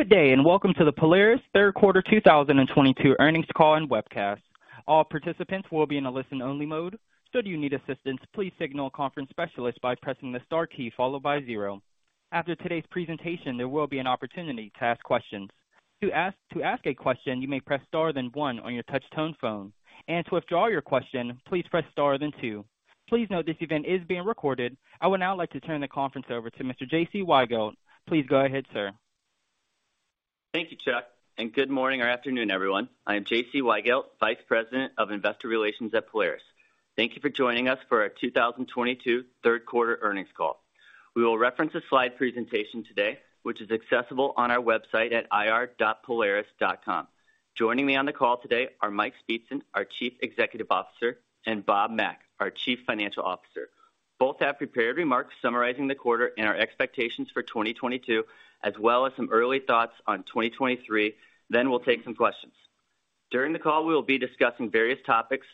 Good day, and welcome to the Polaris third quarter 2022 earnings call and webcast. All participants will be in a listen-only mode. Should you need assistance, please signal a conference specialist by pressing the star key followed by zero. After today's presentation, there will be an opportunity to ask questions. To ask a question, you may press star then one on your touch tone phone. To withdraw your question, please press star then two. Please note this event is being recorded. I would now like to turn the conference over to Mr. J.C. Weigelt. Please go ahead, sir. Thank you, Chuck, and good morning or afternoon, everyone. I am J.C. Weigelt, Vice President of Investor Relations at Polaris. Thank you for joining us for our 2022 third quarter earnings call. We will reference a slide presentation today, which is accessible on our website at ir.polaris.com. Joining me on the call today are Mike Speetzen, our Chief Executive Officer, and Bob Mack, our Chief Financial Officer. Both have prepared remarks summarizing the quarter and our expectations for 2022, as well as some early thoughts on 2023. We'll take some questions. During the call, we will be discussing various topics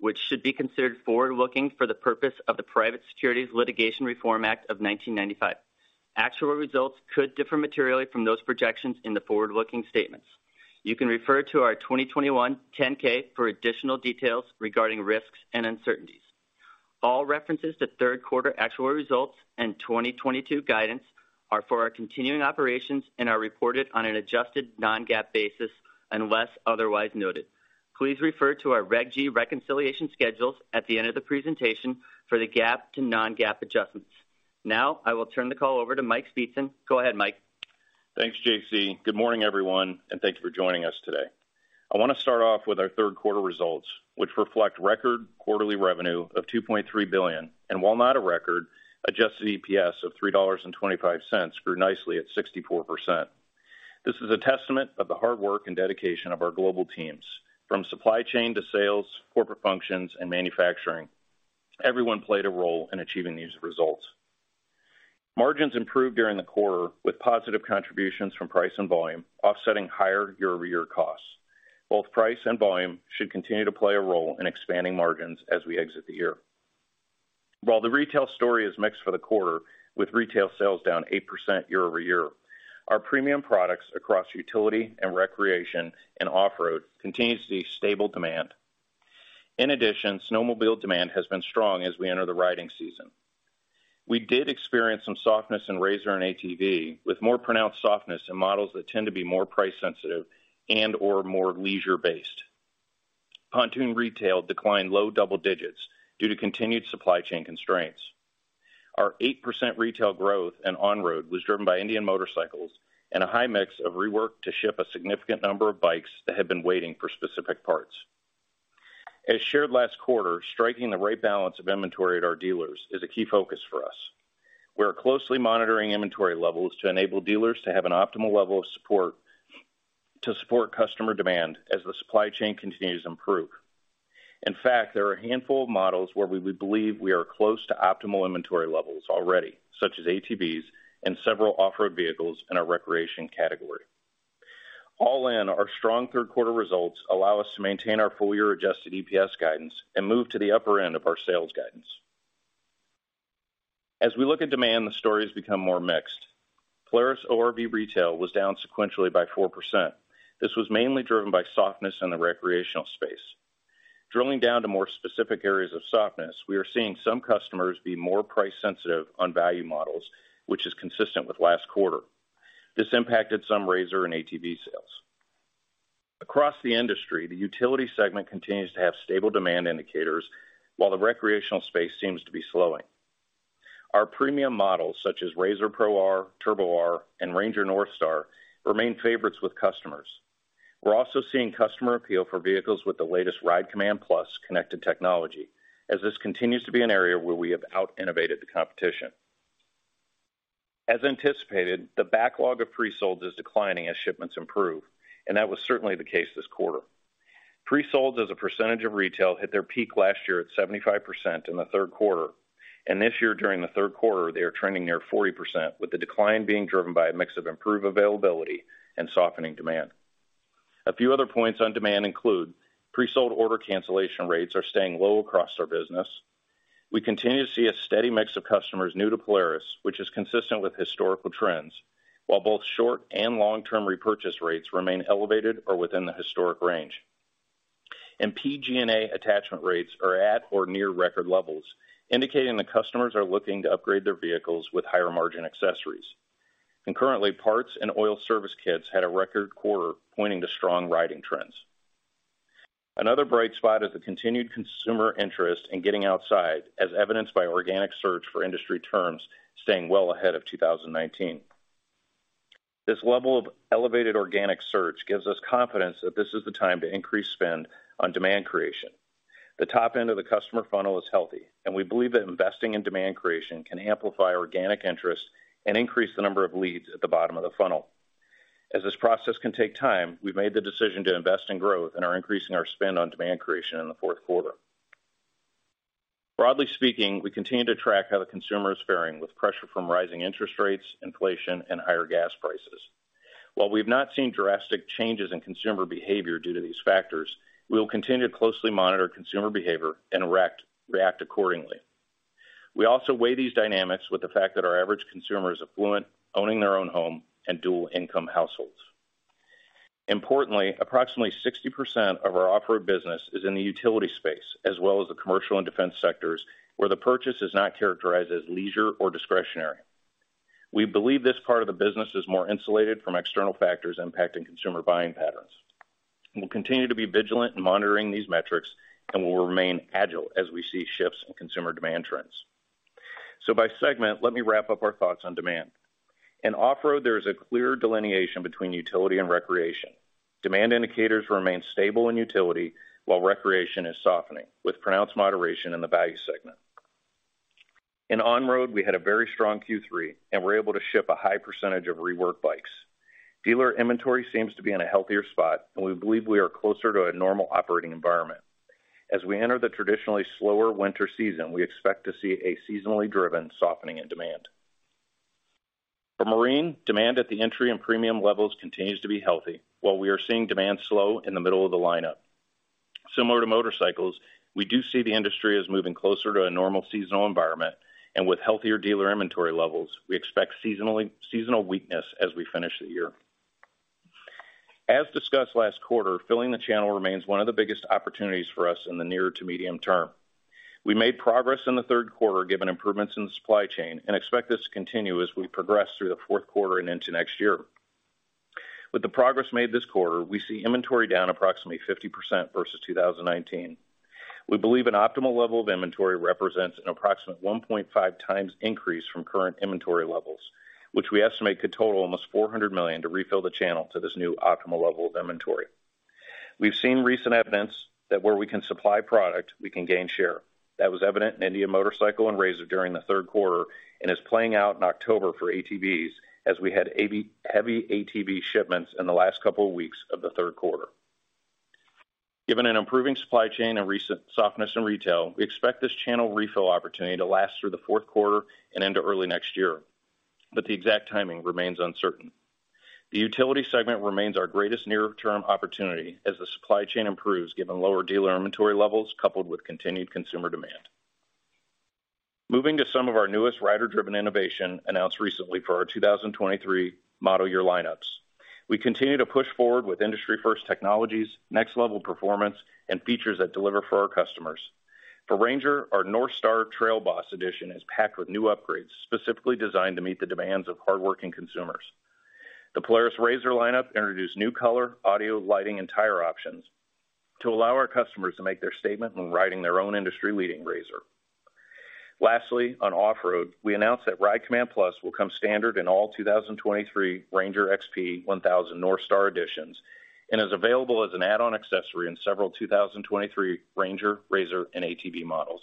which should be considered forward-looking for the purpose of the Private Securities Litigation Reform Act of 1995. Actual results could differ materially from those projections in the forward-looking statements. You can refer to our 2021 10-K for additional details regarding risks and uncertainties. All references to third quarter actual results and 2022 guidance are for our continuing operations and are reported on an adjusted non-GAAP basis unless otherwise noted. Please refer to our Reg G reconciliation schedules at the end of the presentation for the GAAP to non-GAAP adjustments. Now I will turn the call over to Mike Speetzen. Go ahead, Mike. Thanks, J.C. Good morning, everyone, and thanks for joining us today. I want to start off with our third quarter results, which reflect record quarterly revenue of $2.3 billion. While not a record, adjusted EPS of $3.25 grew nicely at 64%. This is a testament of the hard work and dedication of our global teams from supply chain to sales, corporate functions and manufacturing. Everyone played a role in achieving these results. Margins improved during the quarter with positive contributions from price and volume offsetting higher year-over-year costs. Both price and volume should continue to play a role in expanding margins as we exit the year. While the retail story is mixed for the quarter with retail sales down 8% year-over-year, our premium products across utility and recreation and off-road continues to see stable demand. In addition, snowmobile demand has been strong as we enter the riding season. We did experience some softness in RZR and ATV with more pronounced softness in models that tend to be more price sensitive and or more leisure-based. Pontoon retail declined low double digits due to continued supply chain constraints. Our 8% retail growth in on-road was driven by Indian Motorcycles and a high mix of rework to ship a significant number of bikes that had been waiting for specific parts. As shared last quarter, striking the right balance of inventory at our dealers is a key focus for us. We are closely monitoring inventory levels to enable dealers to have an optimal level of support to support customer demand as the supply chain continues to improve. In fact, there are a handful of models where we believe we are close to optimal inventory levels already, such as ATVs and several off-road vehicles in our recreation category. All in, our strong third quarter results allow us to maintain our full year adjusted EPS guidance and move to the upper end of our sales guidance. As we look at demand, the story has become more mixed. Polaris ORV retail was down sequentially by 4%. This was mainly driven by softness in the recreational space. Drilling down to more specific areas of softness, we are seeing some customers be more price sensitive on value models, which is consistent with last quarter. This impacted some RZR and ATV sales. Across the industry, the utility segment continues to have stable demand indicators, while the recreational space seems to be slowing. Our premium models such as RZR Pro R, RZR Turbo R, and RANGER NorthStar remain favorites with customers. We're also seeing customer appeal for vehicles with the latest RIDE COMMAND+ connected technology as this continues to be an area where we have out-innovated the competition. As anticipated, the backlog of pre-solds is declining as shipments improve, and that was certainly the case this quarter. Pre-solds as a percentage of retail hit their peak last year at 75% in the third quarter, and this year during the third quarter they are trending near 40%, with the decline being driven by a mix of improved availability and softening demand. A few other points on demand include pre-sold order cancellation rates are staying low across our business. We continue to see a steady mix of customers new to Polaris, which is consistent with historical trends, while both short and long-term repurchase rates remain elevated or within the historic range. PG&A attachment rates are at or near record levels, indicating that customers are looking to upgrade their vehicles with higher margin accessories. Currently, parts and oil service kits had a record quarter pointing to strong riding trends. Another bright spot is the continued consumer interest in getting outside, as evidenced by organic search for industry terms staying well ahead of 2019. This level of elevated organic search gives us confidence that this is the time to increase spend on demand creation. The top end of the customer funnel is healthy, and we believe that investing in demand creation can amplify organic interest and increase the number of leads at the bottom of the funnel. As this process can take time, we've made the decision to invest in growth and are increasing our spend on demand creation in the fourth quarter. Broadly speaking, we continue to track how the consumer is faring with pressure from rising interest rates, inflation and higher gas prices. While we have not seen drastic changes in consumer behavior due to these factors, we will continue to closely monitor consumer behavior and react accordingly. We also weigh these dynamics with the fact that our average consumer is affluent, owning their own home, and dual-income households. Importantly, approximately 60% of our off-road business is in the utility space, as well as the commercial and defense sectors, where the purchase is not characterized as leisure or discretionary. We believe this part of the business is more insulated from external factors impacting consumer buying patterns. We'll continue to be vigilant in monitoring these metrics, and we'll remain agile as we see shifts in consumer demand trends. By segment, let me wrap up our thoughts on demand. In off-road, there is a clear delineation between utility and recreation. Demand indicators remain stable in utility while recreation is softening, with pronounced moderation in the value segment. In on-road, we had a very strong Q3 and were able to ship a high percentage of rework bikes. Dealer inventory seems to be in a healthier spot, and we believe we are closer to a normal operating environment. As we enter the traditionally slower winter season, we expect to see a seasonally driven softening in demand. For Marine, demand at the entry and premium levels continues to be healthy while we are seeing demand slow in the middle of the lineup. Similar to motorcycles, we do see the industry as moving closer to a normal seasonal environment. With healthier dealer inventory levels, we expect seasonal weakness as we finish the year. As discussed last quarter, filling the channel remains one of the biggest opportunities for us in the near to medium term. We made progress in the third quarter given improvements in the supply chain, and expect this to continue as we progress through the fourth quarter and into next year. With the progress made this quarter, we see inventory down approximately 50% versus 2019. We believe an optimal level of inventory represents an approximate 1.5x increase from current inventory levels, which we estimate could total almost $400 million to refill the channel to this new optimal level of inventory. We've seen recent evidence that where we can supply product, we can gain share. That was evident in Indian Motorcycle and RZR during the third quarter and is playing out in October for ATVs as we had heavy ATV shipments in the last couple of weeks of the third quarter. Given an improving supply chain and recent softness in retail, we expect this channel refill opportunity to last through the fourth quarter and into early next year, but the exact timing remains uncertain. The utility segment remains our greatest near-term opportunity as the supply chain improves given lower dealer inventory levels coupled with continued consumer demand. Moving to some of our newest rider-driven innovation announced recently for our 2023 model year lineups. We continue to push forward with industry-first technologies, next-level performance, and features that deliver for our customers. For Ranger, our NorthStar Trail Boss edition is packed with new upgrades, specifically designed to meet the demands of hardworking consumers. The Polaris RZR lineup introduced new color, audio, lighting, and tire options to allow our customers to make their statement when riding their own industry-leading RZR. Lastly, on off-road, we announced that RIDE COMMAND+ will come standard in all 2023 Ranger XP 1000 NorthStar editions and is available as an add-on accessory in several 2023 Ranger, RZR, and ATV models.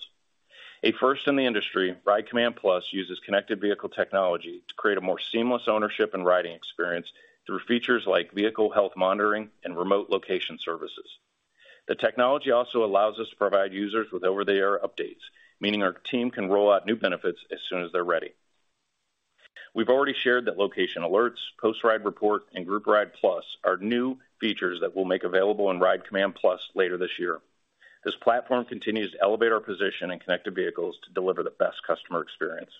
A first in the industry, RIDE COMMAND+ uses connected vehicle technology to create a more seamless ownership and riding experience through features like vehicle health monitoring and remote location services. The technology also allows us to provide users with over-the-air updates, meaning our team can roll out new benefits as soon as they're ready. We've already shared that location alerts, post-ride report, and Group Ride+ are new features that we'll make available in RIDE COMMAND+ later this year. This platform continues to elevate our position in connected vehicles to deliver the best customer experience.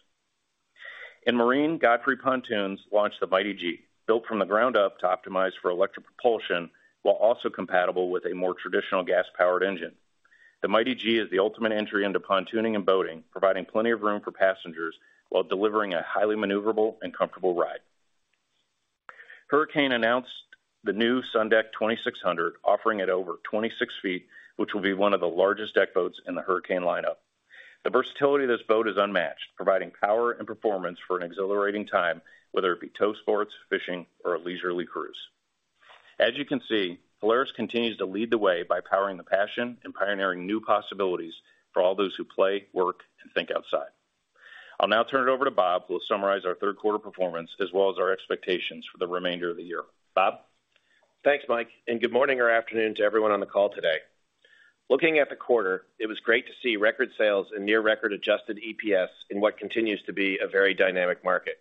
In Marine, Godfrey Pontoons launched the Mighty G, built from the ground up to optimize for electric propulsion while also compatible with a more traditional gas-powered engine. The Mighty G is the ultimate entry into pontooning and boating, providing plenty of room for passengers while delivering a highly maneuverable and comfortable ride. Hurricane announced the new SunDeck 2600, offering at over 26 feet, which will be one of the largest deck boats in the Hurricane lineup. The versatility of this boat is unmatched, providing power and performance for an exhilarating time, whether it be tow sports, fishing, or a leisurely cruise. As you can see, Polaris continues to lead the way by powering the passion and pioneering new possibilities for all those who play, work, and think outside. I'll now turn it over to Bob, who will summarize our third quarter performance as well as our expectations for the remainder of the year. Bob? Thanks, Mike, and good morning or afternoon to everyone on the call today. Looking at the quarter, it was great to see record sales and near record adjusted EPS in what continues to be a very dynamic market.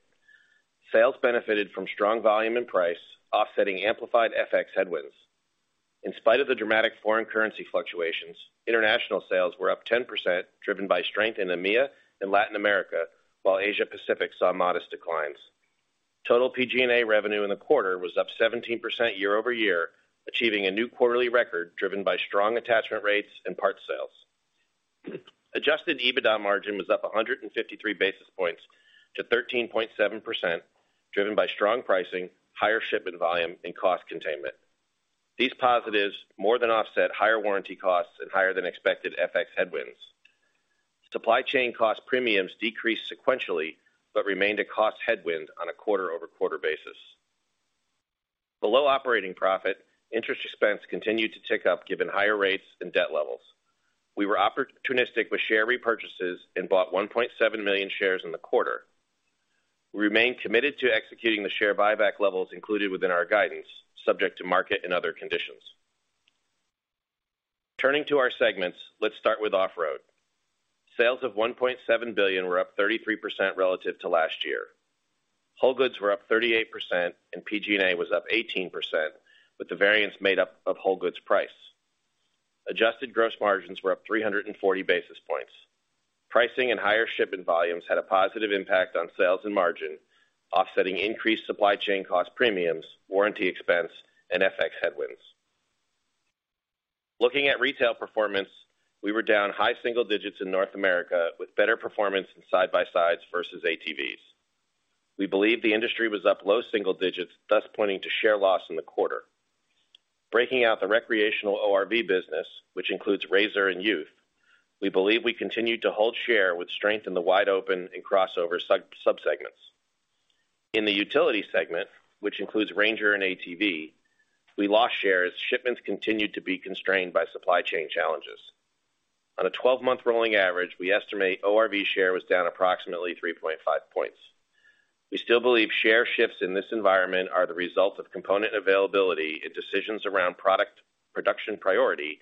Sales benefited from strong volume and price, offsetting amplified FX headwinds. In spite of the dramatic foreign currency fluctuations, international sales were up 10%, driven by strength in EMEA and Latin America, while Asia Pacific saw modest declines. Total PG&A revenue in the quarter was up 17% year-over-year, achieving a new quarterly record driven by strong attachment rates and parts sales. Adjusted EBITDA margin was up 153 basis points to 13.7%, driven by strong pricing, higher shipment volume, and cost containment. These positives more than offset higher warranty costs and higher than expected FX headwinds. Supply chain cost premiums decreased sequentially, but remained a cost headwind on a quarter-over-quarter basis. Below operating profit, interest expense continued to tick up given higher rates and debt levels. We were opportunistic with share repurchases and bought 1.7 million shares in the quarter. We remain committed to executing the share buyback levels included within our guidance, subject to market and other conditions. Turning to our segments, let's start with off-road. Sales of $1.7 billion were up 33% relative to last year. Whole goods were up 38% and PG&A was up 18%, with the variance made up of whole goods price. Adjusted gross margins were up 340 basis points. Pricing and higher shipment volumes had a positive impact on sales and margin, offsetting increased supply chain cost premiums, warranty expense, and FX headwinds. Looking at retail performance, we were down high single digits in North America with better performance in side-by-sides versus ATVs. We believe the industry was up low single digits, thus pointing to share loss in the quarter. Breaking out the recreational ORV business, which includes RZR and Youth, we believe we continued to hold share with strength in the wide open and crossover sub-segments. In the utility segment, which includes RANGER and ATV, we lost shares. Shipments continued to be constrained by supply chain challenges. On a 12-month rolling average, we estimate ORV share was down approximately 3.5 points. We still believe share shifts in this environment are the result of component availability and decisions around product production priority,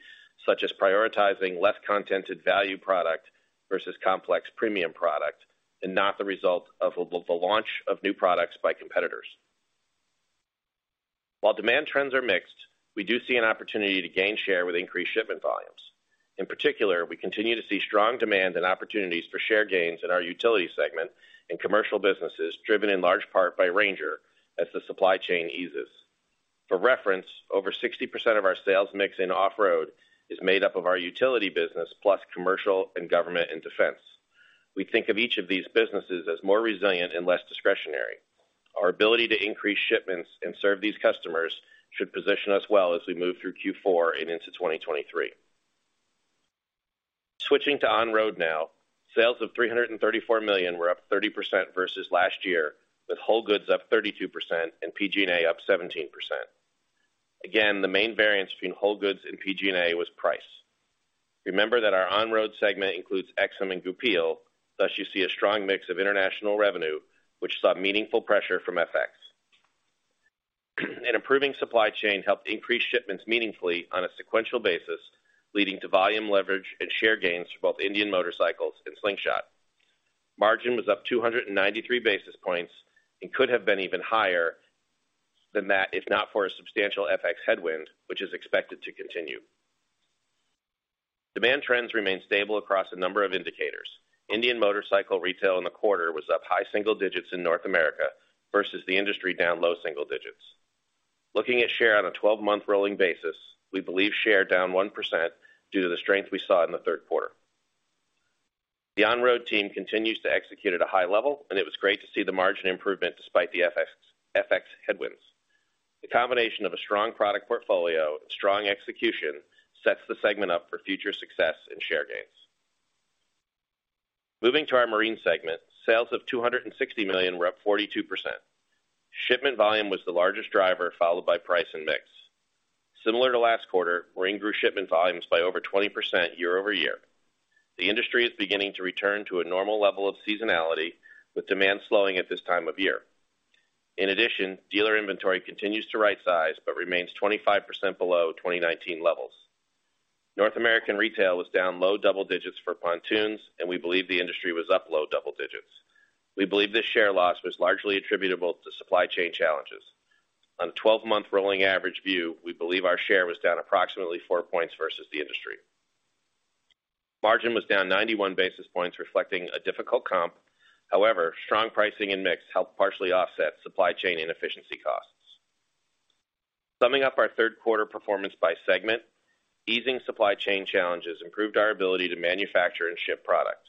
such as prioritizing less contented value product versus complex premium product, and not the result of the launch of new products by competitors. While demand trends are mixed, we do see an opportunity to gain share with increased shipment volumes. In particular, we continue to see strong demand and opportunities for share gains in our utility segment and commercial businesses driven in large part by Ranger as the supply chain eases. For reference, over 60% of our sales mix in off-road is made up of our utility business, plus commercial and government and defense. We think of each of these businesses as more resilient and less discretionary. Our ability to increase shipments and serve these customers should position us well as we move through Q4 and into 2023. Switching to on-road now. Sales of $334 million were up 30% versus last year, with whole goods up 32% and PG&A up 17%. Again, the main variance between whole goods and PG&A was price. Remember that our on-road segment includes Aixam and Goupil, thus you see a strong mix of international revenue, which saw meaningful pressure from FX. An improving supply chain helped increase shipments meaningfully on a sequential basis, leading to volume leverage and share gains for both Indian Motorcycle and Slingshot. Margin was up 293 basis points and could have been even higher than that if not for a substantial FX headwind, which is expected to continue. Demand trends remain stable across a number of indicators. Indian Motorcycle retail in the quarter was up high single digits in North America versus the industry down low single digits. Looking at share on a 12-month rolling basis, we believe share down 1% due to the strength we saw in the third quarter. The on-road team continues to execute at a high level, and it was great to see the margin improvement despite the FX headwinds. The combination of a strong product portfolio and strong execution sets the segment up for future success and share gains. Moving to our marine segment, sales of $260 million were up 42%. Shipment volume was the largest driver, followed by price and mix. Similar to last quarter, Marine grew shipment volumes by over 20% year-over-year. The industry is beginning to return to a normal level of seasonality, with demand slowing at this time of year. In addition, dealer inventory continues to right size, but remains 25% below 2019 levels. North American retail was down low double digits for pontoons, and we believe the industry was up low double digits. We believe this share loss was largely attributable to supply chain challenges. On a 12-month rolling average view, we believe our share was down approximately four points versus the industry. Margin was down 91 basis points, reflecting a difficult comp. However, strong pricing and mix helped partially offset supply chain inefficiency costs. Summing up our third quarter performance by segment, easing supply chain challenges improved our ability to manufacture and ship product.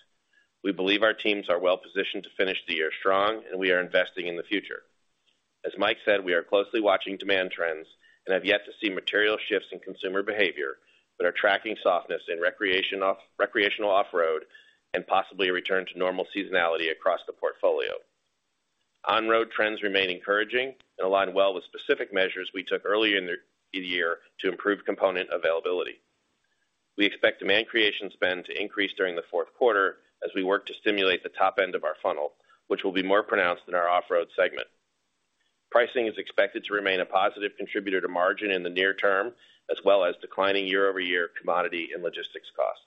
We believe our teams are well positioned to finish the year strong and we are investing in the future. As Mike said, we are closely watching demand trends and have yet to see material shifts in consumer behavior that are tracking softness in recreational off-road and possibly a return to normal seasonality across the portfolio. On-road trends remain encouraging and align well with specific measures we took earlier in the year to improve component availability. We expect demand creation spend to increase during the fourth quarter as we work to stimulate the top end of our funnel, which will be more pronounced in our off-road segment. Pricing is expected to remain a positive contributor to margin in the near term, as well as declining year-over-year commodity and logistics costs.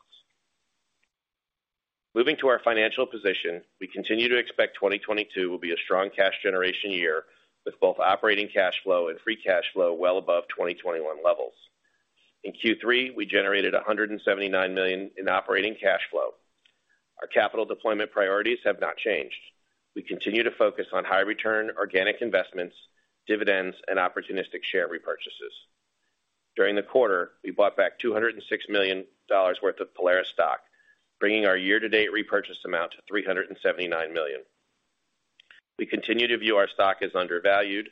Moving to our financial position, we continue to expect 2022 will be a strong cash generation year, with both operating cash flow and free cash flow well above 2021 levels. In Q3, we generated $179 million in operating cash flow. Our capital deployment priorities have not changed. We continue to focus on high return organic investments, dividends, and opportunistic share repurchases. During the quarter, we bought back $206 million worth of Polaris stock, bringing our year to date repurchase amount to $379 million. We continue to view our stock as undervalued,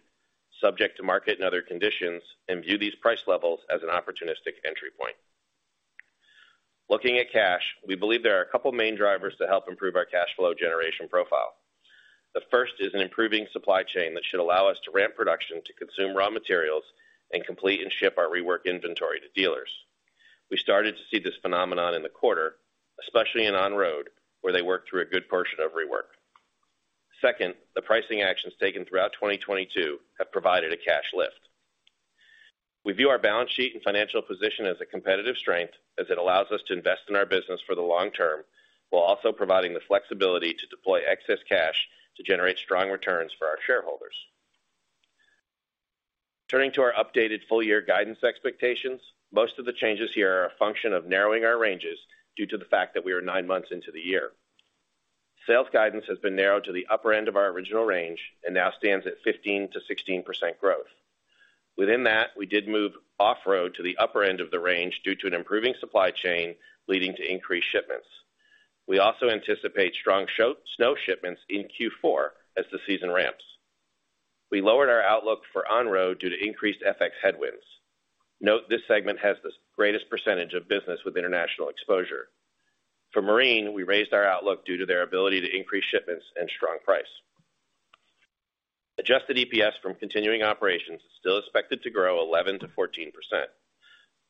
subject to market and other conditions, and view these price levels as an opportunistic entry point. Looking at cash, we believe there are a couple main drivers to help improve our cash flow generation profile. The first is an improving supply chain that should allow us to ramp production to consume raw materials and complete and ship our rework inventory to dealers. We started to see this phenomenon in the quarter, especially in on road, where they worked through a good portion of rework. Second, the pricing actions taken throughout 2022 have provided a cash lift. We view our balance sheet and financial position as a competitive strength as it allows us to invest in our business for the long term, while also providing the flexibility to deploy excess cash to generate strong returns for our shareholders. Turning to our updated full year guidance expectations. Most of the changes here are a function of narrowing our ranges due to the fact that we are nine months into the year. Sales guidance has been narrowed to the upper end of our original range and now stands at 15%-16% growth. Within that, we did move off-road to the upper end of the range due to an improving supply chain leading to increased shipments. We also anticipate strong snow shipments in Q4 as the season ramps. We lowered our outlook for on-road due to increased FX headwinds. Note this segment has the greatest percentage of business with international exposure. For Marine, we raised our outlook due to their ability to increase shipments and strong price. Adjusted EPS from continuing operations is still expected to grow 11%-14%.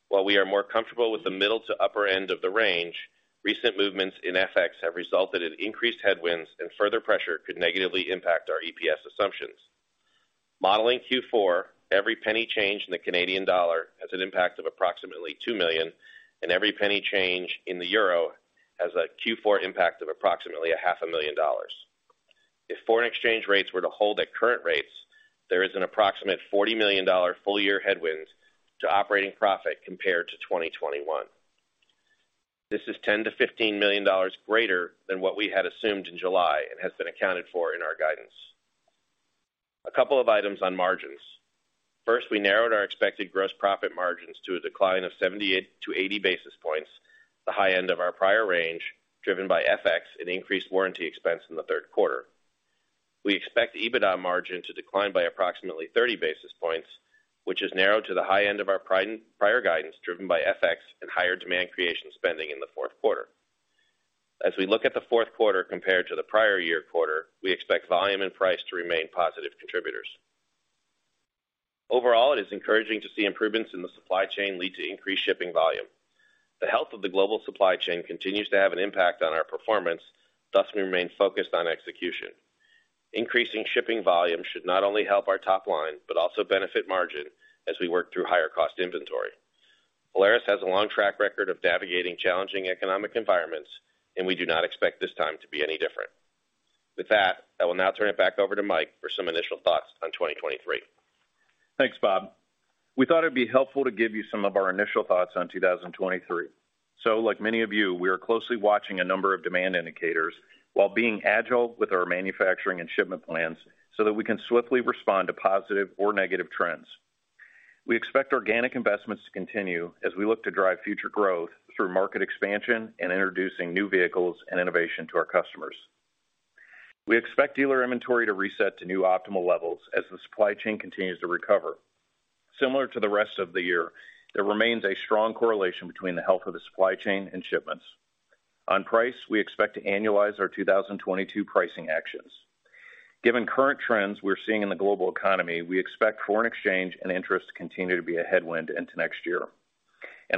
While we are more comfortable with the middle to upper end of the range, recent movements in FX have resulted in increased headwinds, and further pressure could negatively impact our EPS assumptions. Modeling Q4, every penny change in the Canadian dollar has an impact of approximately $2 million, and every penny change in the euro has a Q4 impact of approximately $0.5 million. If foreign exchange rates were to hold at current rates, there is an approximate $40 million full-year headwinds to operating profit compared to 2021. This is $10-$15 million greater than what we had assumed in July and has been accounted for in our guidance. A couple of items on margins. First, we narrowed our expected gross profit margins to a decline of 78-80 basis points, the high end of our prior range, driven by FX and increased warranty expense in the third quarter. We expect EBITDA margin to decline by approximately 30 basis points, which is narrowed to the high end of our prior guidance, driven by FX and higher demand creation spending in the fourth quarter. As we look at the fourth quarter compared to the prior year quarter, we expect volume and price to remain positive contributors. Overall, it is encouraging to see improvements in the supply chain lead to increased shipping volume. The health of the global supply chain continues to have an impact on our performance, thus we remain focused on execution. Increasing shipping volume should not only help our top line, but also benefit margin as we work through higher cost inventory. Polaris has a long track record of navigating challenging economic environments, and we do not expect this time to be any different. With that, I will now turn it back over to Mike for some initial thoughts on 2023. Thanks, Bob. We thought it'd be helpful to give you some of our initial thoughts on 2023. Like many of you, we are closely watching a number of demand indicators while being agile with our manufacturing and shipment plans so that we can swiftly respond to positive or negative trends. We expect organic investments to continue as we look to drive future growth through market expansion and introducing new vehicles and innovation to our customers. We expect dealer inventory to reset to new optimal levels as the supply chain continues to recover. Similar to the rest of the year, there remains a strong correlation between the health of the supply chain and shipments. On price, we expect to annualize our 2022 pricing actions. Given current trends we're seeing in the global economy, we expect foreign exchange and interest to continue to be a headwind into next year.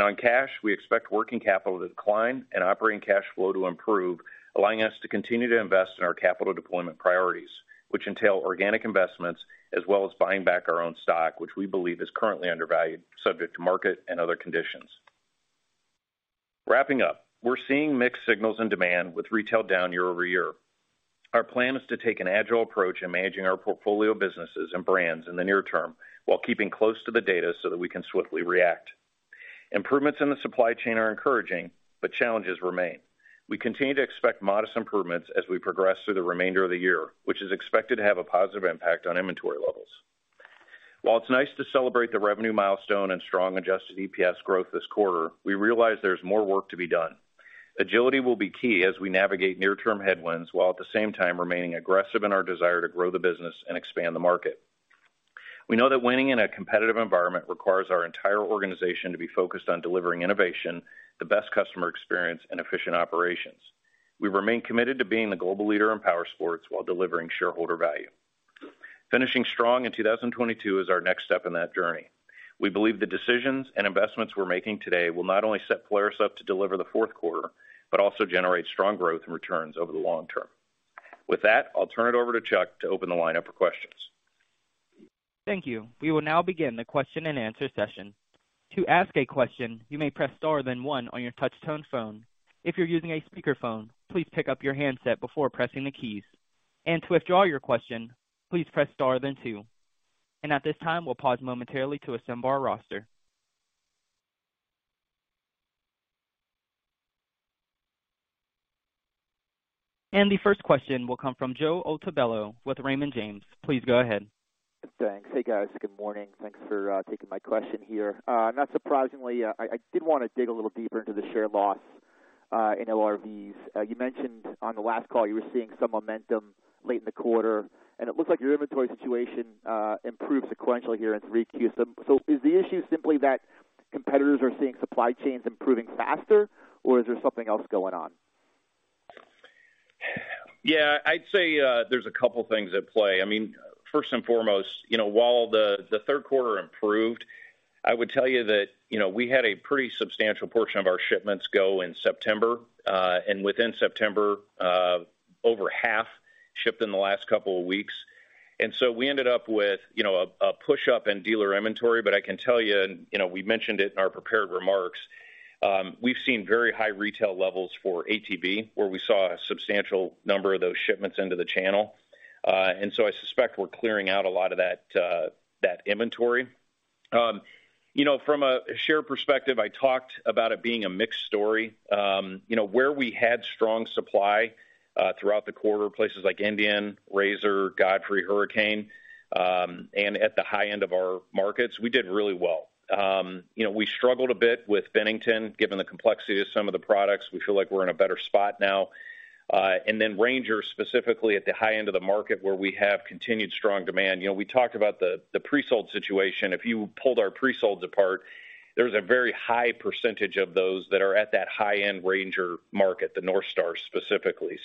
On cash, we expect working capital to decline and operating cash flow to improve, allowing us to continue to invest in our capital deployment priorities, which entail organic investments as well as buying back our own stock, which we believe is currently undervalued, subject to market and other conditions. Wrapping up, we're seeing mixed signals in demand with retail down year-over-year. Our plan is to take an agile approach in managing our portfolio businesses and brands in the near term while keeping close to the data so that we can swiftly react. Improvements in the supply chain are encouraging, but challenges remain. We continue to expect modest improvements as we progress through the remainder of the year, which is expected to have a positive impact on inventory levels. While it's nice to celebrate the revenue milestone and strong adjusted EPS growth this quarter, we realize there's more work to be done. Agility will be key as we navigate near-term headwinds while at the same time remaining aggressive in our desire to grow the business and expand the market. We know that winning in a competitive environment requires our entire organization to be focused on delivering innovation, the best customer experience and efficient operations. We remain committed to being the global leader in powersports while delivering shareholder value. Finishing strong in 2022 is our next step in that journey. We believe the decisions and investments we're making today will not only set Polaris up to deliver the fourth quarter, but also generate strong growth and returns over the long term. With that, I'll turn it over to Chuck to open the line up for questions. Thank you. We will now begin the question and answer session. To ask a question, you may press star then one on your touch-tone phone. If you're using a speakerphone, please pick up your handset before pressing the keys. To withdraw your question, please press star then two. At this time, we'll pause momentarily to assemble our roster. The first question will come from Joe Altobello with Raymond James. Please go ahead. Thanks. Hey, guys. Good morning. Thanks for taking my question here. Not surprisingly, I did wanna dig a little deeper into the share loss in ORVs. You mentioned on the last call you were seeing some momentum late in the quarter, and it looks like your inventory situation improved sequentially here in 3Q. Is the issue simply that competitors are seeing supply chains improving faster, or is there something else going on? Yeah, I'd say, there's a couple things at play. I mean, first and foremost, you know, while the third quarter improved, I would tell you that, you know, we had a pretty substantial portion of our shipments go in September, and within September, over half shipped in the last couple of weeks. We ended up with, you know, a push up in dealer inventory. I can tell you, and, you know, we mentioned it in our prepared remarks. We've seen very high retail levels for ATV, where we saw a substantial number of those shipments into the channel. I suspect we're clearing out a lot of that inventory. You know, from a share perspective, I talked about it being a mixed story. You know, where we had strong supply throughout the quarter, places like Indian, RZR, Godfrey, Hurricane, and at the high end of our markets, we did really well. You know, we struggled a bit with Bennington, given the complexity of some of the products. We feel like we're in a better spot now. Ranger, specifically at the high end of the market where we have continued strong demand. You know, we talked about the pre-sold situation. If you pulled our pre-solds apart, there's a very high percentage of those that are at that high-end Ranger market, the NorthStar specifically.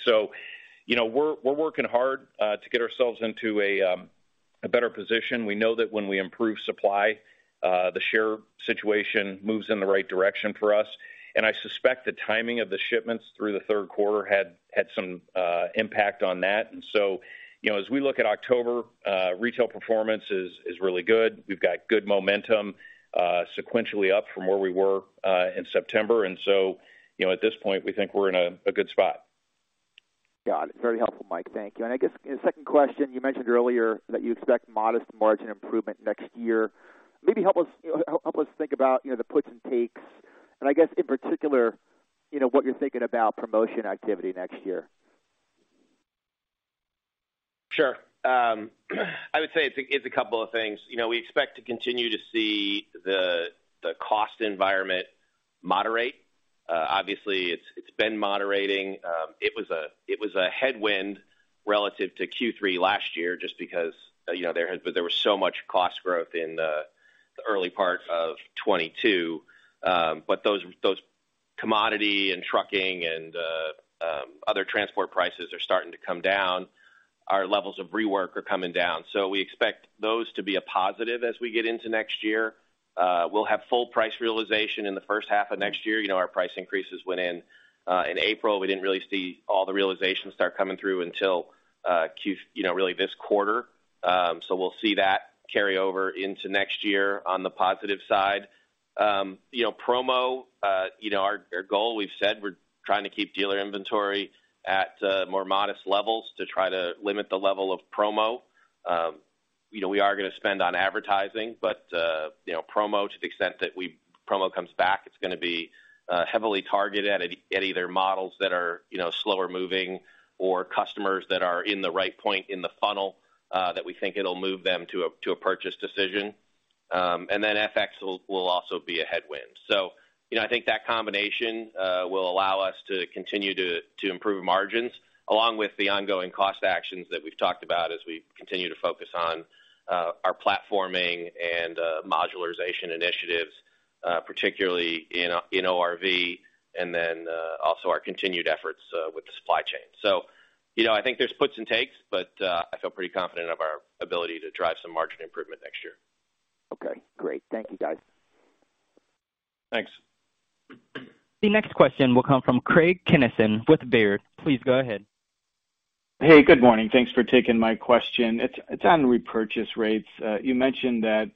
You know, we're working hard to get ourselves into a better position. We know that when we improve supply, the share situation moves in the right direction for us. I suspect the timing of the shipments through the third quarter had some impact on that. You know, as we look at October, retail performance is really good. We've got good momentum, sequentially up from where we were in September. You know, at this point, we think we're in a good spot. Got it. Very helpful, Mike. Thank you. I guess second question, you mentioned earlier that you expect modest margin improvement next year. Maybe help us, you know, help us think about, you know, the puts and takes, and I guess in particular, you know, what you're thinking about promotion activity next year. Sure. I would say it's a couple of things. You know, we expect to continue to see the cost environment moderate. Obviously it's been moderating. It was a headwind relative to Q3 last year just because, you know, there was so much cost growth in the early part of 2022. Those commodity and trucking and other transport prices are starting to come down. Our levels of rework are coming down. We expect those to be a positive as we get into next year. We'll have full price realization in the first half of next year. You know, our price increases went in in April. We didn't really see all the realization start coming through until you know, really this quarter. We'll see that carry over into next year on the positive side. You know, promo, you know, our goal, we've said we're trying to keep dealer inventory at more modest levels to try to limit the level of promo. You know, we are gonna spend on advertising, but, you know, promo comes back, it's gonna be heavily targeted at either models that are, you know, slower moving or customers that are in the right point in the funnel, that we think it'll move them to a purchase decision. FX will also be a headwind. You know, I think that combination will allow us to continue to improve margins, along with the ongoing cost actions that we've talked about as we continue to focus on our platforming and modularization initiatives, particularly in ORV and then also our continued efforts with the supply chain. You know, I think there's puts and takes, but I feel pretty confident of our ability to drive some margin improvement next year. Okay, great. Thank you, guys. Thanks. The next question will come from Craig Kennison with Baird. Please go ahead. Hey, good morning. Thanks for taking my question. It's on repurchase rates. You mentioned that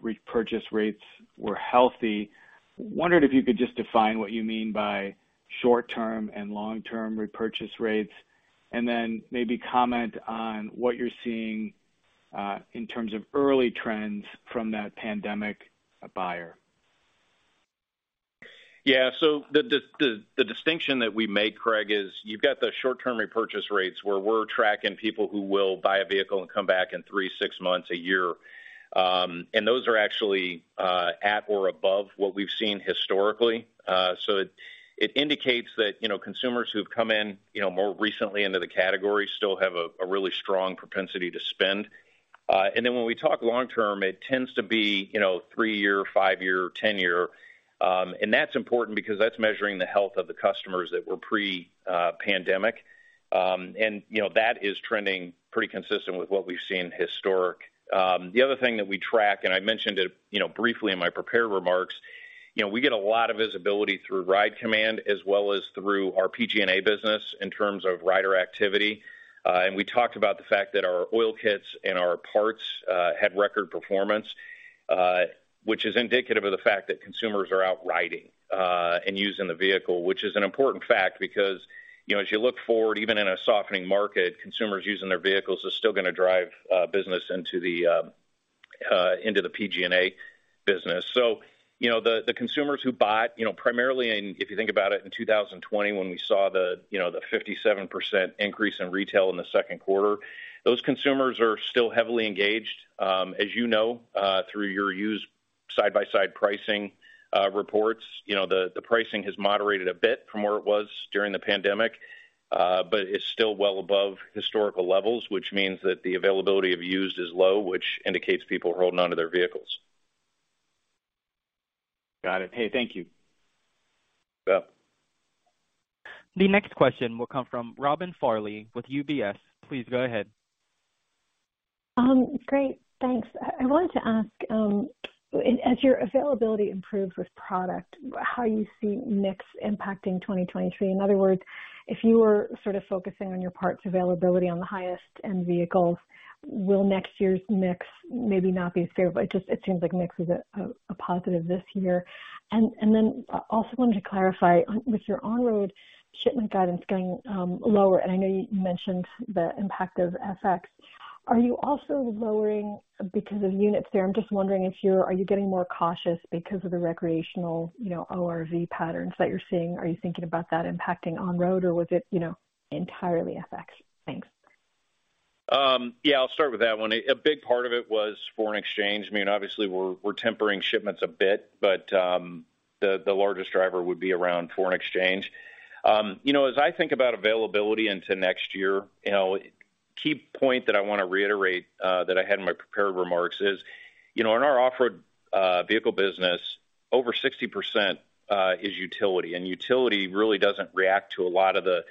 repurchase rates were healthy. Wondered if you could just define what you mean by short-term and long-term repurchase rates, and then maybe comment on what you're seeing in terms of early trends from that pandemic buyer Yeah. The distinction that we make, Craig, is you've got the short-term repurchase rates where we're tracking people who will buy a vehicle and come back in 3, 6 months, a year. Those are actually at or above what we've seen historically. So it indicates that, you know, consumers who've come in, you know, more recently into the category still have a really strong propensity to spend. When we talk long term, it tends to be, you know, 3-year, 5-year, 10-year. That's important because that's measuring the health of the customers that were pre-pandemic. You know, that is trending pretty consistent with what we've seen historically. The other thing that we track, and I mentioned it, you know, briefly in my prepared remarks, you know, we get a lot of visibility through RIDE COMMAND as well as through our PG&A business in terms of rider activity. We talked about the fact that our oil kits and our parts had record performance, which is indicative of the fact that consumers are out riding and using the vehicle, which is an important fact because, you know, as you look forward, even in a softening market, consumers using their vehicles is still gonna drive business into the PG&A business. You know, the consumers who bought, you know, primarily, and if you think about it, in 2020, when we saw, you know, the 57% increase in retail in the second quarter, those consumers are still heavily engaged. As you know, through your used side-by-side pricing reports, you know, the pricing has moderated a bit from where it was during the pandemic, but it's still well above historical levels, which means that the availability of used is low, which indicates people are holding onto their vehicles. Got it. Hey, thank you. You bet. The next question will come from Robin Farley with UBS. Please go ahead. Great. Thanks. I wanted to ask, as your availability improves with product, how you see mix impacting 2023. In other words, if you were sort of focusing on your parts availability on the highest end vehicles, will next year's mix maybe not be as favorable? But it just seems like mix is a positive this year. Then I also wanted to clarify, with your on-road shipment guidance going lower, and I know you mentioned the impact of FX, are you also lowering because of units there? I'm just wondering if you're getting more cautious because of the recreational, you know, ORV patterns that you're seeing? Are you thinking about that impacting on-road or was it, you know, entirely FX? Thanks. Yeah, I'll start with that one. A big part of it was foreign exchange. I mean, obviously we're tempering shipments a bit, but the largest driver would be around foreign exchange. You know, as I think about availability into next year, you know, key point that I wanna reiterate that I had in my prepared remarks is, you know, in our off-road vehicle business, over 60% is utility. Utility really doesn't react to a lot of the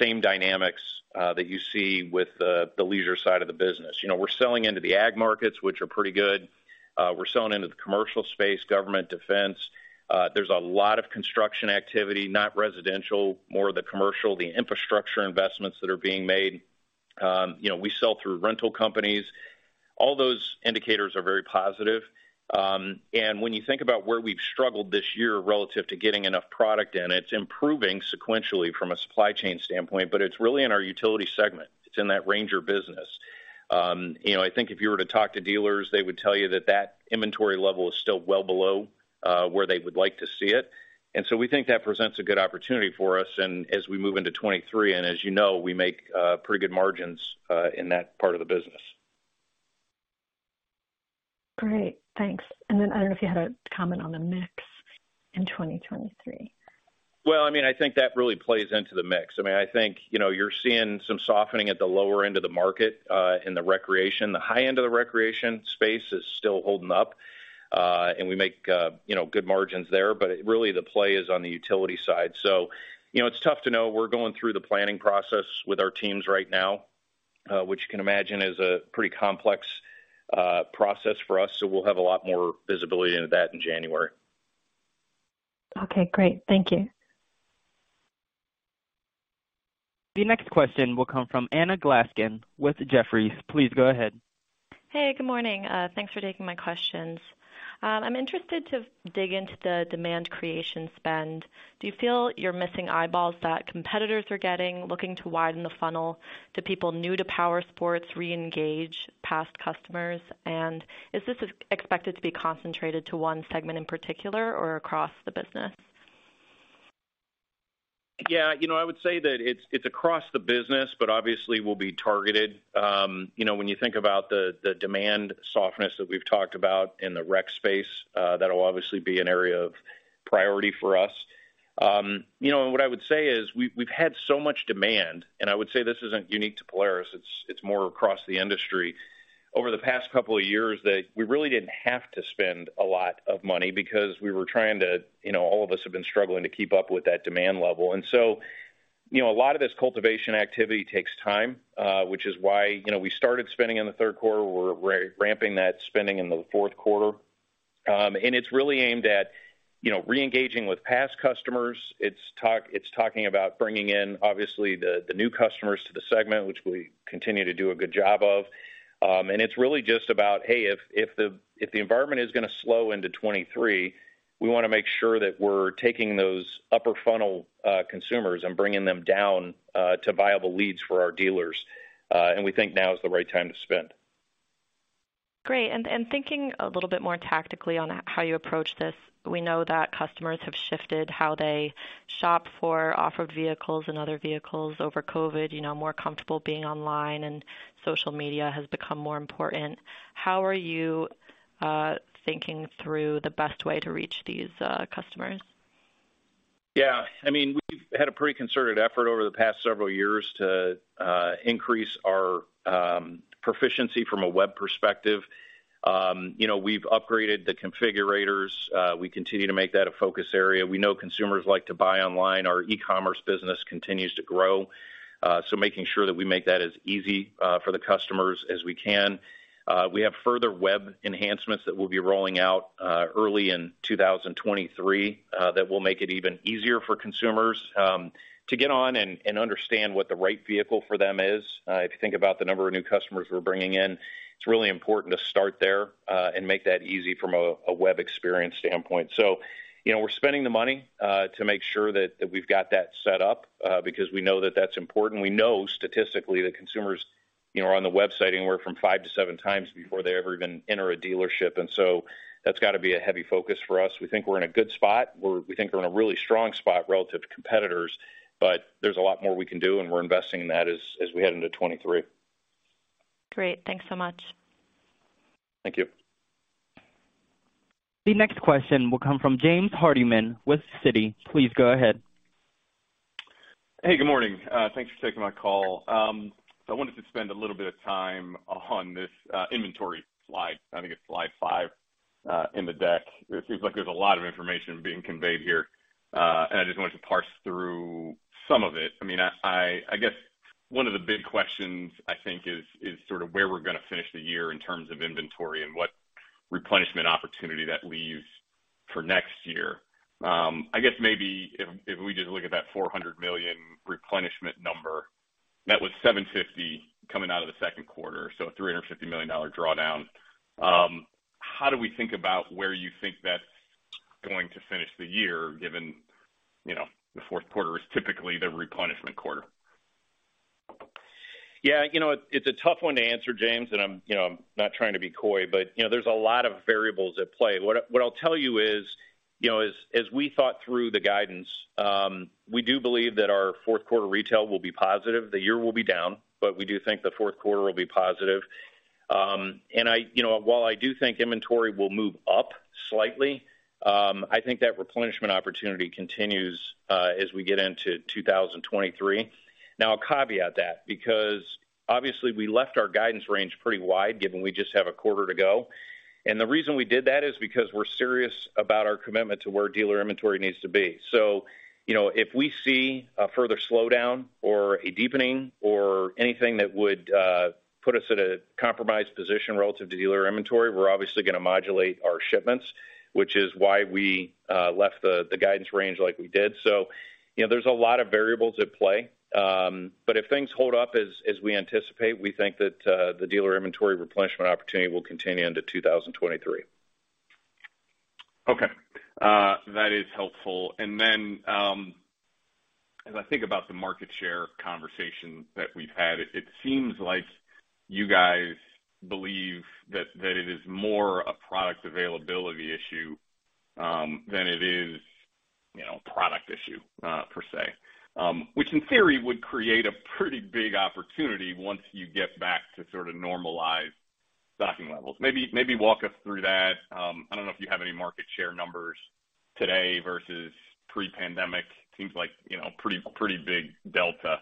same dynamics that you see with the leisure side of the business. You know, we're selling into the ag markets, which are pretty good. We're selling into the commercial space, government defense. There's a lot of construction activity, not residential, more the commercial, the infrastructure investments that are being made. You know, we sell through rental companies. All those indicators are very positive. When you think about where we've struggled this year relative to getting enough product in, it's improving sequentially from a supply chain standpoint, but it's really in our utility segment. It's in that RANGER business. You know, I think if you were to talk to dealers, they would tell you that inventory level is still well below where they would like to see it. We think that presents a good opportunity for us and as we move into 2023, and as you know, we make pretty good margins in that part of the business. Great, thanks. I don't know if you had a comment on the mix in 2023? Well, I mean, I think that really plays into the mix. I mean, I think, you know, you're seeing some softening at the lower end of the market, in the recreation. The high end of the recreation space is still holding up. We make, you know, good margins there, but really the play is on the utility side. You know, it's tough to know. We're going through the planning process with our teams right now, which you can imagine is a pretty complex process for us, so we'll have a lot more visibility into that in January. Okay, great. Thank you. The next question will come from Anna Glaessgen with Jefferies. Please go ahead. Hey, good morning. Thanks for taking my questions. I'm interested to dig into the demand creation spend. Do you feel you're missing eyeballs that competitors are getting looking to widen the funnel to people new to powersports, re-engage past customers? Is this expected to be concentrated to one segment in particular or across the business? Yeah. You know, I would say that it's across the business, but obviously will be targeted. You know, when you think about the demand softness that we've talked about in the rec space, that'll obviously be an area of priority for us. You know, what I would say is we've had so much demand, and I would say this isn't unique to Polaris, it's more across the industry. Over the past couple of years that we really didn't have to spend a lot of money because we were trying to, you know, all of us have been struggling to keep up with that demand level. You know, a lot of this cultivation activity takes time, which is why, you know, we started spending in the third quarter. We're ramping that spending in the fourth quarter. It's really aimed at, you know, re-engaging with past customers. It's talking about bringing in, obviously, the new customers to the segment, which we continue to do a good job of. It's really just about, hey, if the environment is gonna slow into 2023, we wanna make sure that we're taking those upper funnel consumers and bringing them down to viable leads for our dealers. We think now is the right time to spend. Great. Thinking a little bit more tactically on how you approach this, we know that customers have shifted how they shop for off-road vehicles and other vehicles over COVID, you know, more comfortable being online and social media has become more important. How are you thinking through the best way to reach these customers? Yeah, I mean, we've had a pretty concerted effort over the past several years to increase our proficiency from a web perspective. You know, we've upgraded the configurators. We continue to make that a focus area. We know consumers like to buy online. Our e-commerce business continues to grow. Making sure that we make that as easy for the customers as we can. We have further web enhancements that we'll be rolling out early in 2023 that will make it even easier for consumers to get on and understand what the right vehicle for them is. If you think about the number of new customers we're bringing in, it's really important to start there and make that easy from a web experience standpoint. You know, we're spending the money to make sure that we've got that set up because we know that that's important. We know statistically that consumers, you know, are on the website anywhere from five to seven times before they ever even enter a dealership. That's gotta be a heavy focus for us. We think we're in a good spot. We think we're in a really strong spot relative to competitors, but there's a lot more we can do, and we're investing in that as we head into 2023. Great. Thanks so much. Thank you. The next question will come from James Hardiman with Citi. Please go ahead. Hey, good morning. Thanks for taking my call. I wanted to spend a little bit of time on this inventory slide. I think it's slide five. In the deck, it seems like there's a lot of information being conveyed here, and I just wanted to parse through some of it. I mean, I guess one of the big questions I think is sort of where we're gonna finish the year in terms of inventory and what replenishment opportunity that leaves for next year. I guess maybe if we just look at that $400 million replenishment number, that was $750 million coming out of the second quarter, so a $350 million drawdown. How do we think about where you think that's going to finish the year, given you know, the fourth quarter is typically the replenishment quarter? Yeah. You know, it's a tough one to answer, James, and I'm, you know, I'm not trying to be coy, but, you know, there's a lot of variables at play. What I'll tell you is, you know, as we thought through the guidance, we do believe that our fourth quarter retail will be positive. The year will be down, but we do think the fourth quarter will be positive. You know, while I do think inventory will move up slightly, I think that replenishment opportunity continues, as we get into 2023. Now, I'll caveat that because obviously we left our guidance range pretty wide, given we just have a quarter to go. The reason we did that is because we're serious about our commitment to where dealer inventory needs to be. You know, if we see a further slowdown or a deepening or anything that would put us at a compromised position relative to dealer inventory, we're obviously gonna modulate our shipments, which is why we left the guidance range like we did. You know, there's a lot of variables at play. If things hold up as we anticipate, we think that the dealer inventory replenishment opportunity will continue into 2023. Okay. That is helpful. As I think about the market share conversation that we've had, it seems like you guys believe that it is more a product availability issue than it is, you know, product issue per se. Which in theory would create a pretty big opportunity once you get back to sort of normalized stocking levels. Maybe walk us through that. I don't know if you have any market share numbers today versus pre-pandemic. Seems like you know pretty big delta.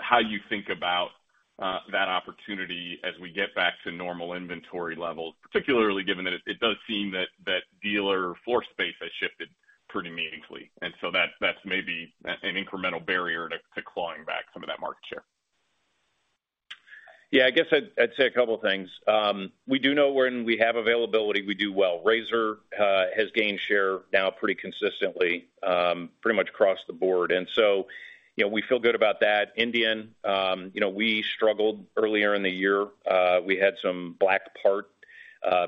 How you think about that opportunity as we get back to normal inventory levels, particularly given that it does seem that dealer floor space has shifted pretty meaningfully. So that's maybe an incremental barrier to clawing back some of that market share. Yeah, I guess I'd say a couple things. We do know when we have availability, we do well. RZR has gained share now pretty consistently, pretty much across the board. You know, we feel good about that. Indian, you know, we struggled earlier in the year. We had some black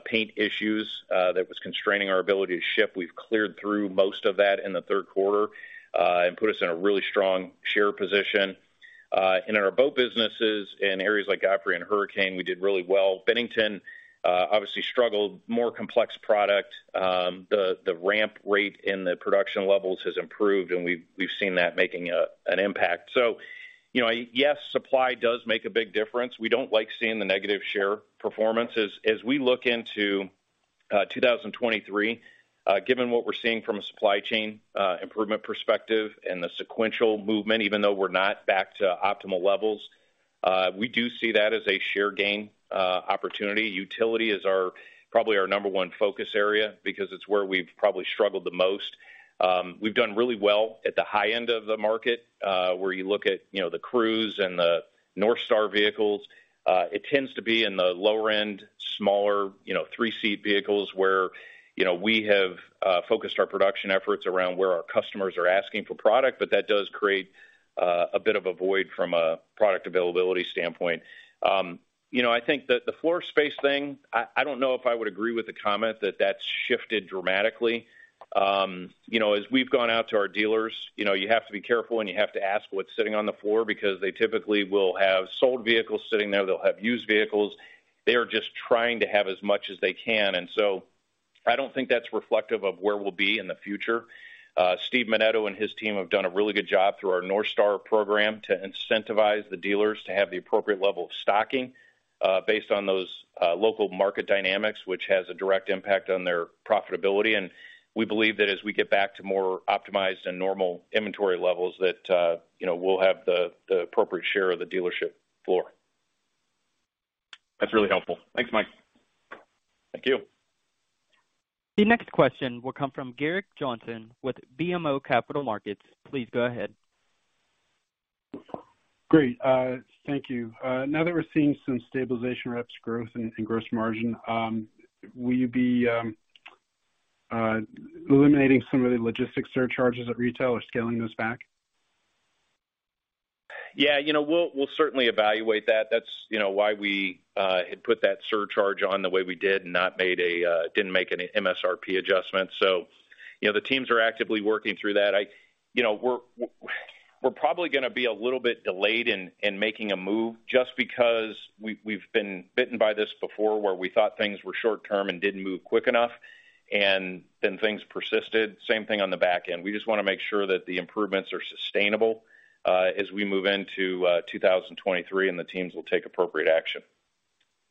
paint issues that was constraining our ability to ship. We've cleared through most of that in the third quarter, and put us in a really strong share position. In our boat businesses in areas like Godfrey and Hurricane, we did really well. Bennington obviously struggled. More complex product. The ramp rate in the production levels has improved, and we've seen that making an impact. You know, yes, supply does make a big difference. We don't like seeing the negative share performance. As we look into 2023, given what we're seeing from a supply chain improvement perspective and the sequential movement, even though we're not back to optimal levels, we do see that as a share gain opportunity. Utility is our probably our number one focus area because it's where we've probably struggled the most. We've done really well at the high end of the market, where you look at, you know, the Crew and the NorthStar vehicles. It tends to be in the lower end, smaller, you know, three-seat vehicles where, you know, we have focused our production efforts around where our customers are asking for product, but that does create a bit of a void from a product availability standpoint. You know, I think that the floor space thing, I don't know if I would agree with the comment that that's shifted dramatically. You know, as we've gone out to our dealers, you know, you have to be careful and you have to ask what's sitting on the floor because they typically will have sold vehicles sitting there. They'll have used vehicles. They are just trying to have as much as they can. I don't think that's reflective of where we'll be in the future. Steve Menneto and his team have done a really good job through our NorthStar program to incentivize the dealers to have the appropriate level of stocking based on those local market dynamics, which has a direct impact on their profitability. We believe that as we get back to more optimized and normal inventory levels that, you know, we'll have the appropriate share of the dealership floor. That's really helpful. Thanks, Mike. Thank you. The next question will come from Gerrick Johnson with BMO Capital Markets. Please go ahead. Great. Thank you. Now that we're seeing some stabilization in revs, growth in gross margin, will you be eliminating some of the logistics surcharges at retail or scaling those back? Yeah. You know, we'll certainly evaluate that. That's, you know, why we had put that surcharge on the way we did and didn't make an MSRP adjustment. You know, the teams are actively working through that. You know, we're probably gonna be a little bit delayed in making a move just because we've been bitten by this before where we thought things were short term and didn't move quick enough, and then things persisted. Same thing on the back end. We just wanna make sure that the improvements are sustainable as we move into 2023 and the teams will take appropriate action.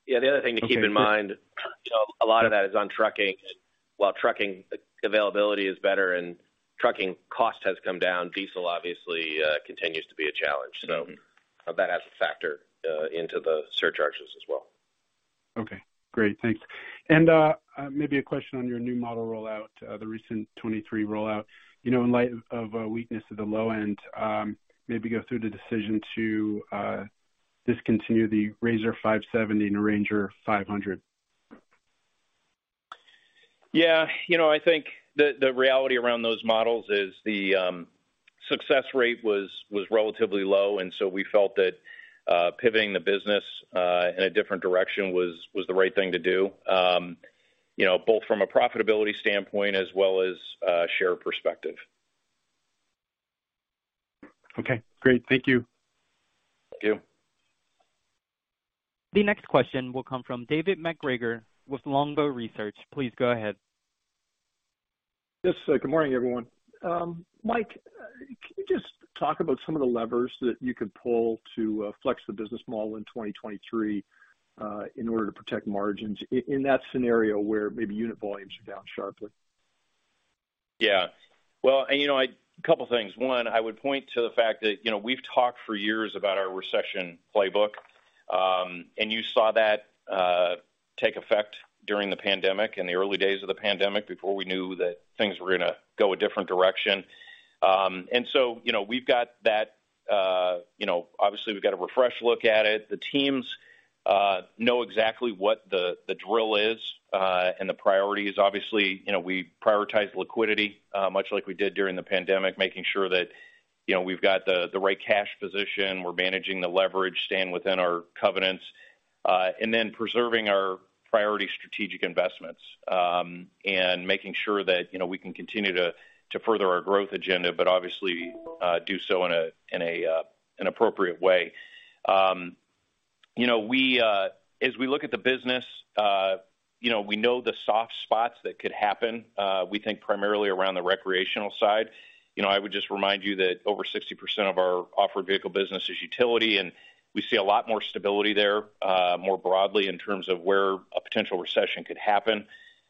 Yeah. The other thing to keep in mind, you know, a lot of that is on trucking and while trucking availability is better and trucking cost has come down, diesel obviously continues to be a challenge. That factors into the surcharges as well. Okay, great. Thanks. Maybe a question on your new model rollout, the recent 2023 rollout. You know, in light of a weakness at the low end, maybe go through the decision to discontinue the RZR 570 and Ranger 500. Yeah, you know, I think the reality around those models is the success rate was relatively low, and so we felt that pivoting the business in a different direction was the right thing to do, you know, both from a profitability standpoint as well as share perspective. Okay, great. Thank you. Thank you. The next question will come from David MacGregor with Longbow Research. Please go ahead. Yes. Good morning, everyone. Mike, can you just talk about some of the levers that you could pull to flex the business model in 2023, in order to protect margins in that scenario where maybe unit volumes are down sharply? Well, you know, a couple of things. One, I would point to the fact that, you know, we've talked for years about our recession playbook, and you saw that take effect during the pandemic, in the early days of the pandemic before we knew that things were going to go a different direction. You know, we've got that, you know, obviously we've got a fresh look at it. The teams know exactly what the drill is, and the priorities. Obviously, you know, we prioritize liquidity, much like we did during the pandemic, making sure that, you know, we've got the right cash position, we're managing the leverage, staying within our covenants, and then preserving our priority strategic investments, and making sure that, you know, we can continue to further our growth agenda, but obviously, do so in an appropriate way. You know, we, as we look at the business, you know, we know the soft spots that could happen, we think primarily around the recreational side. You know, I would just remind you that over 60% of our off-road vehicle business is utility, and we see a lot more stability there, more broadly in terms of where a potential recession could happen.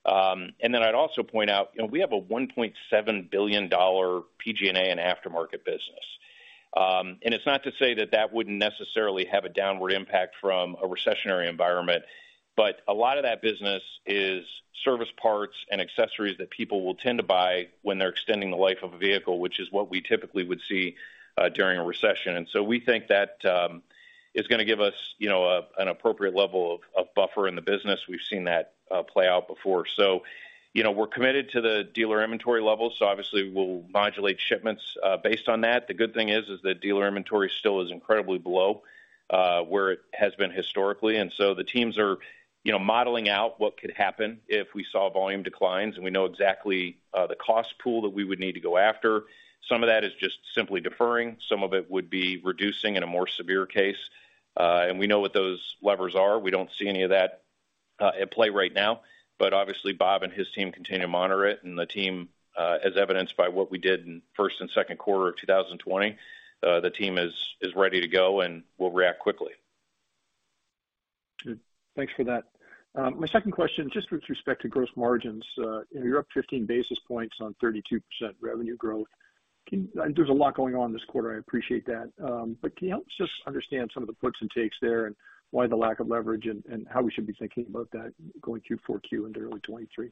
I'd also point out, you know, we have a $1.7 billion PG&A and aftermarket business. It's not to say that that wouldn't necessarily have a downward impact from a recessionary environment, but a lot of that business is service parts and accessories that people will tend to buy when they're extending the life of a vehicle, which is what we typically would see during a recession. We think that is going to give us, you know, an appropriate level of buffer in the business. We've seen that play out before. You know, we're committed to the dealer inventory levels, so obviously we'll modulate shipments based on that. The good thing is that dealer inventory still is incredibly below where it has been historically. The teams are, you know, modeling out what could happen if we saw volume declines, and we know exactly the cost pool that we would need to go after. Some of that is just simply deferring. Some of it would be reducing in a more severe case. We know what those levers are. We don't see any of that at play right now. But obviously, Bob and his team continue to monitor it. The team, as evidenced by what we did in first and second quarter of 2020, the team is ready to go and will react quickly. Good. Thanks for that. My second question, just with respect to gross margins, you're up 15 basis points on 32% revenue growth. There's a lot going on this quarter, I appreciate that. Can you help us just understand some of the puts and takes there and why the lack of leverage and how we should be thinking about that going Q4, Q into early 2023?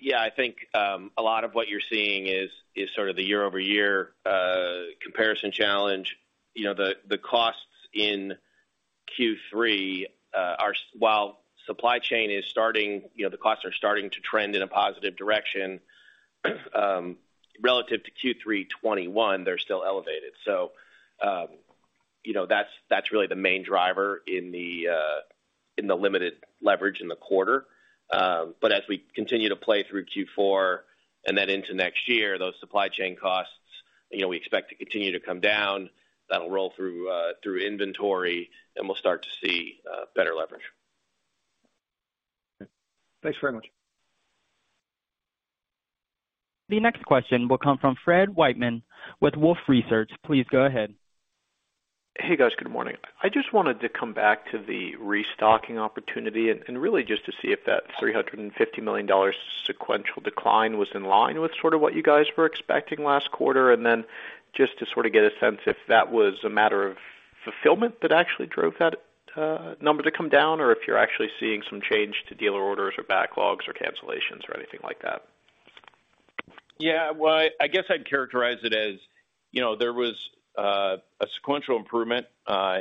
Yeah, I think a lot of what you're seeing is sort of the year-over-year comparison challenge. You know, the costs in Q3 are, while supply chain is starting, you know, the costs are starting to trend in a positive direction, relative to Q3 2021, they're still elevated. You know, that's really the main driver in the limited leverage in the quarter. As we continue to play through Q4 and then into next year, those supply chain costs, you know, we expect to continue to come down. That'll roll through inventory, and we'll start to see better leverage. Thanks very much. The next question will come from Fred Wightman with Wolfe Research. Please go ahead. Hey, guys. Good morning. I just wanted to come back to the restocking opportunity and really just to see if that $350 million sequential decline was in line with sort of what you guys were expecting last quarter. Then just to sort of get a sense if that was a matter of fulfillment that actually drove that number to come down, or if you're actually seeing some change to dealer orders or backlogs or cancellations or anything like that. Yeah. Well, I guess I'd characterize it as, you know, there was a sequential improvement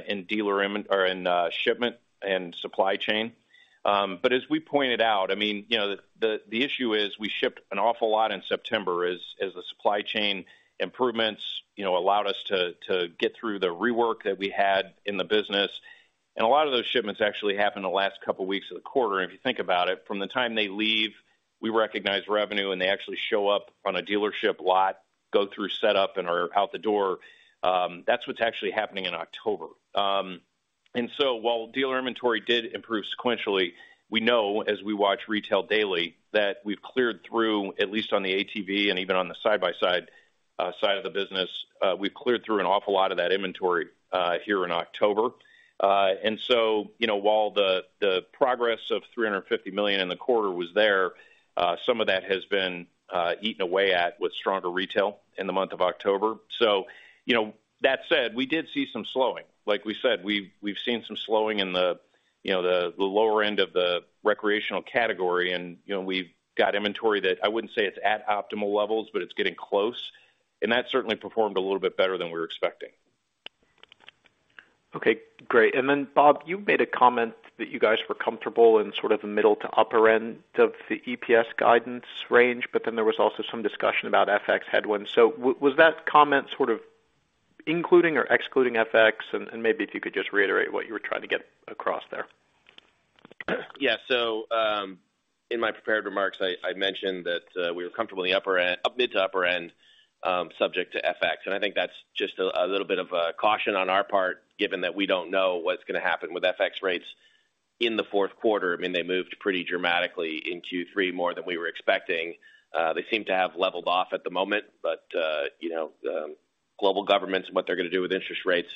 in shipment and supply chain. As we pointed out, I mean, you know, the issue is we shipped an awful lot in September as the supply chain improvements, you know, allowed us to get through the rework that we had in the business. A lot of those shipments actually happened in the last couple weeks of the quarter. If you think about it, from the time they leave, we recognize revenue, and they actually show up on a dealership lot, go through setup and are out the door, that's what's actually happening in October. While dealer inventory did improve sequentially, we know as we watch retail daily that we've cleared through, at least on the ATV and even on the side-by-side, side of the business, we've cleared through an awful lot of that inventory, here in October. You know, while the progress of $350 million in the quarter was there, some of that has been eaten away at with stronger retail in the month of October. You know, that said, we did see some slowing. Like we said, we've seen some slowing in the, you know, the lower end of the recreational category. You know, we've got inventory that I wouldn't say it's at optimal levels, but it's getting close. That certainly performed a little bit better than we were expecting. Okay, great. Then Bob, you made a comment that you guys were comfortable in sort of the middle to upper end of the EPS guidance range, but then there was also some discussion about FX headwinds. Was that comment sort of including or excluding FX? Maybe if you could just reiterate what you were trying to get across there. Yeah. In my prepared remarks, I mentioned that we were comfortable in the upper end, mid to upper end, subject to FX. I think that's just a little bit of caution on our part, given that we don't know what's gonna happen with FX rates in the fourth quarter. I mean, they moved pretty dramatically in Q3, more than we were expecting. They seem to have leveled off at the moment, but you know, global governments and what they're gonna do with interest rates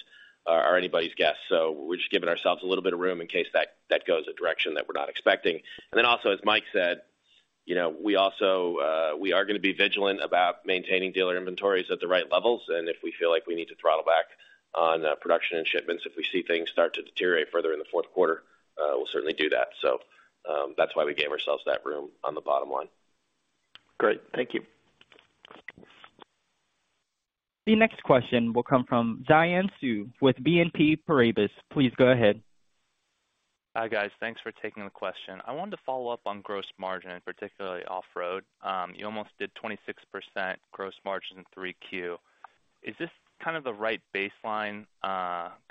are anybody's guess. We're just giving ourselves a little bit of room in case that goes a direction that we're not expecting. Then also, as Mike said, you know, we are gonna be vigilant about maintaining dealer inventories at the right levels. If we feel like we need to throttle back on production and shipments, if we see things start to deteriorate further in the fourth quarter, we'll certainly do that. That's why we gave ourselves that room on the bottom line. Great. Thank you. The next question will come from Xian Siew with BNP Paribas. Please go ahead. Hi, guys. Thanks for taking the question. I wanted to follow up on gross margin, particularly off-road. You almost did 26% gross margin in Q3. Is this kind of the right baseline,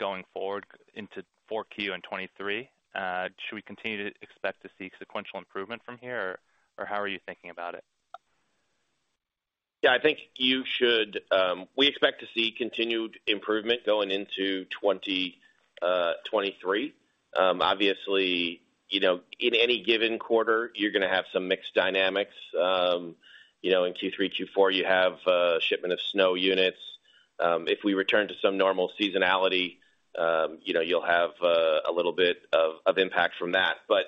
going forward into Q4 and 2023? Should we continue to expect to see sequential improvement from here, or how are you thinking about it? Yeah, I think you should. We expect to see continued improvement going into 2023. Obviously, you know, in any given quarter, you're gonna have some mixed dynamics. You know, in Q3, Q4, you have shipment of snow units. If we return to some normal seasonality, you know, you'll have a little bit of impact from that. But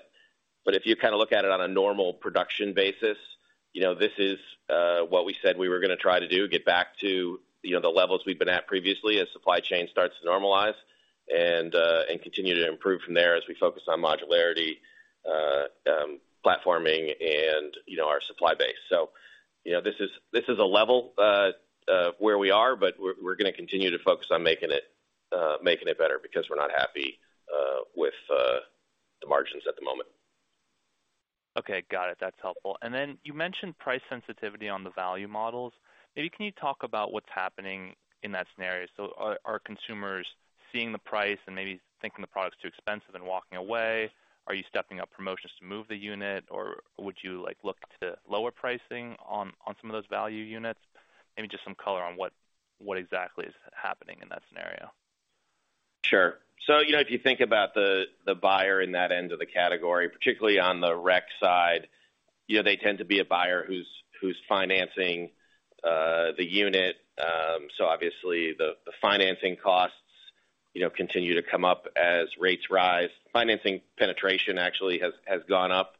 if you kind of look at it on a normal production basis, you know, this is what we said we were gonna try to do, get back to, you know, the levels we've been at previously as supply chain starts to normalize and continue to improve from there as we focus on modularity, platforming and, you know, our supply base. You know, this is a level where we are, but we're gonna continue to focus on making it better because we're not happy with the margins at the moment. Okay, got it. That's helpful. Then you mentioned price sensitivity on the value models. Maybe can you talk about what's happening in that scenario? Are consumers seeing the price and maybe thinking the product's too expensive and walking away? Are you stepping up promotions to move the unit, or would you, like, look to lower pricing on some of those value units? Maybe just some color on what exactly is happening in that scenario. Sure. You know, if you think about the buyer in that end of the category, particularly on the rec side, you know, they tend to be a buyer who's financing the unit. Obviously the financing costs, you know, continue to come up as rates rise. Financing penetration actually has gone up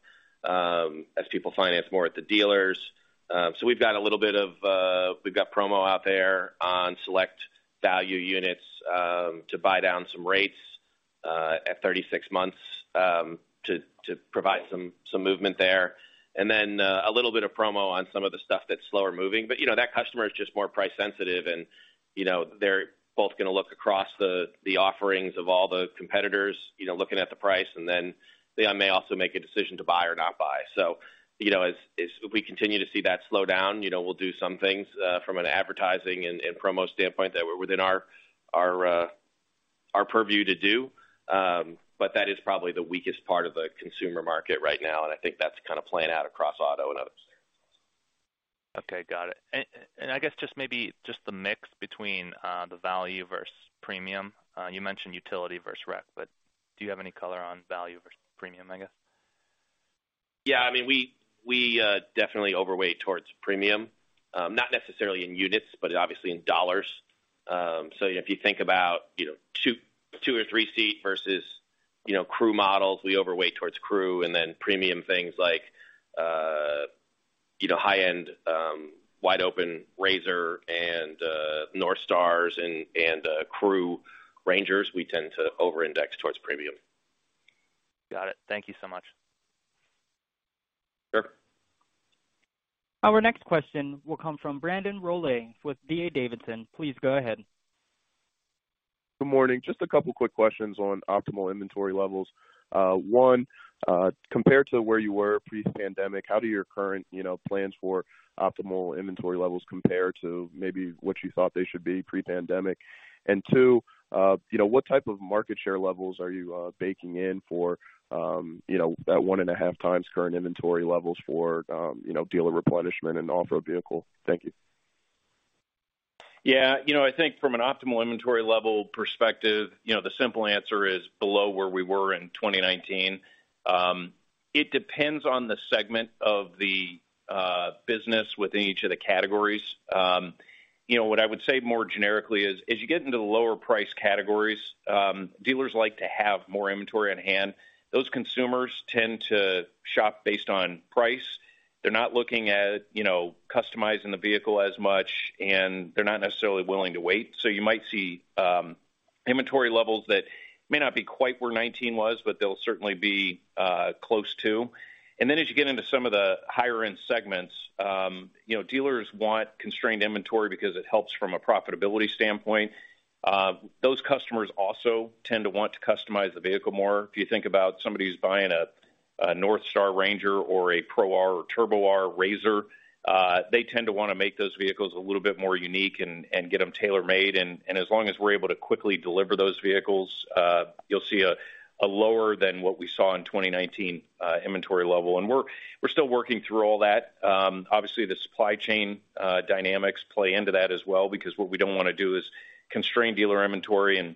as people finance more at the dealers. We've got promo out there on select value units to buy down some rates at 36 months to provide some movement there. A little bit of promo on some of the stuff that's slower moving. You know, that customer is just more price sensitive and, you know, they're both gonna look across the offerings of all the competitors, you know, looking at the price, and then they may also make a decision to buy or not buy. You know, as we continue to see that slow down, you know, we'll do some things from an advertising and promo standpoint that were within our purview to do. But that is probably the weakest part of the consumer market right now, and I think that's kind of playing out across auto and other areas. Okay, got it. I guess just maybe the mix between the value versus premium. You mentioned utility versus rec, but do you have any color on value versus premium, I guess? I mean, we definitely overweight towards premium, not necessarily in units, but obviously in dollars. If you think about, you know, two or three seat versus, you know, crew models, we overweight towards crew and then premium things like, you know, high-end, wide open RZR and NorthStar and crew RANGERs, we tend to over-index towards premium. Got it. Thank you so much. Sure. Our next question will come from Brandon Rollins with D.A. Davidson. Please go ahead. Good morning. Just a couple of quick questions on optimal inventory levels. One, compared to where you were pre-pandemic, how do your current, you know, plans for optimal inventory levels compare to maybe what you thought they should be pre-pandemic? Two, you know, what type of market share levels are you baking in for, you know, that 1.5x current inventory levels for, you know, dealer replenishment and off-road vehicle? Thank you. Yeah. You know, I think from an optimal inventory level perspective, you know, the simple answer is below where we were in 2019. It depends on the segment of the business within each of the categories. You know, what I would say more generically is, as you get into the lower price categories, dealers like to have more inventory on hand. Those consumers tend to shop based on price. They're not looking at, you know, customizing the vehicle as much, and they're not necessarily willing to wait. So you might see inventory levels that may not be quite where 2019 was, but they'll certainly be close to. Then as you get into some of the higher-end segments, you know, dealers want constrained inventory because it helps from a profitability standpoint. Those customers also tend to want to customize the vehicle more. If you think about somebody who's buying a NorthStar Ranger or a RZR Pro R or RZR Turbo R, they tend to wanna make those vehicles a little bit more unique and get them tailor-made. As long as we're able to quickly deliver those vehicles, you'll see a lower than what we saw in 2019 inventory level. We're still working through all that. Obviously the supply chain dynamics play into that as well, because what we don't wanna do is constrain dealer inventory and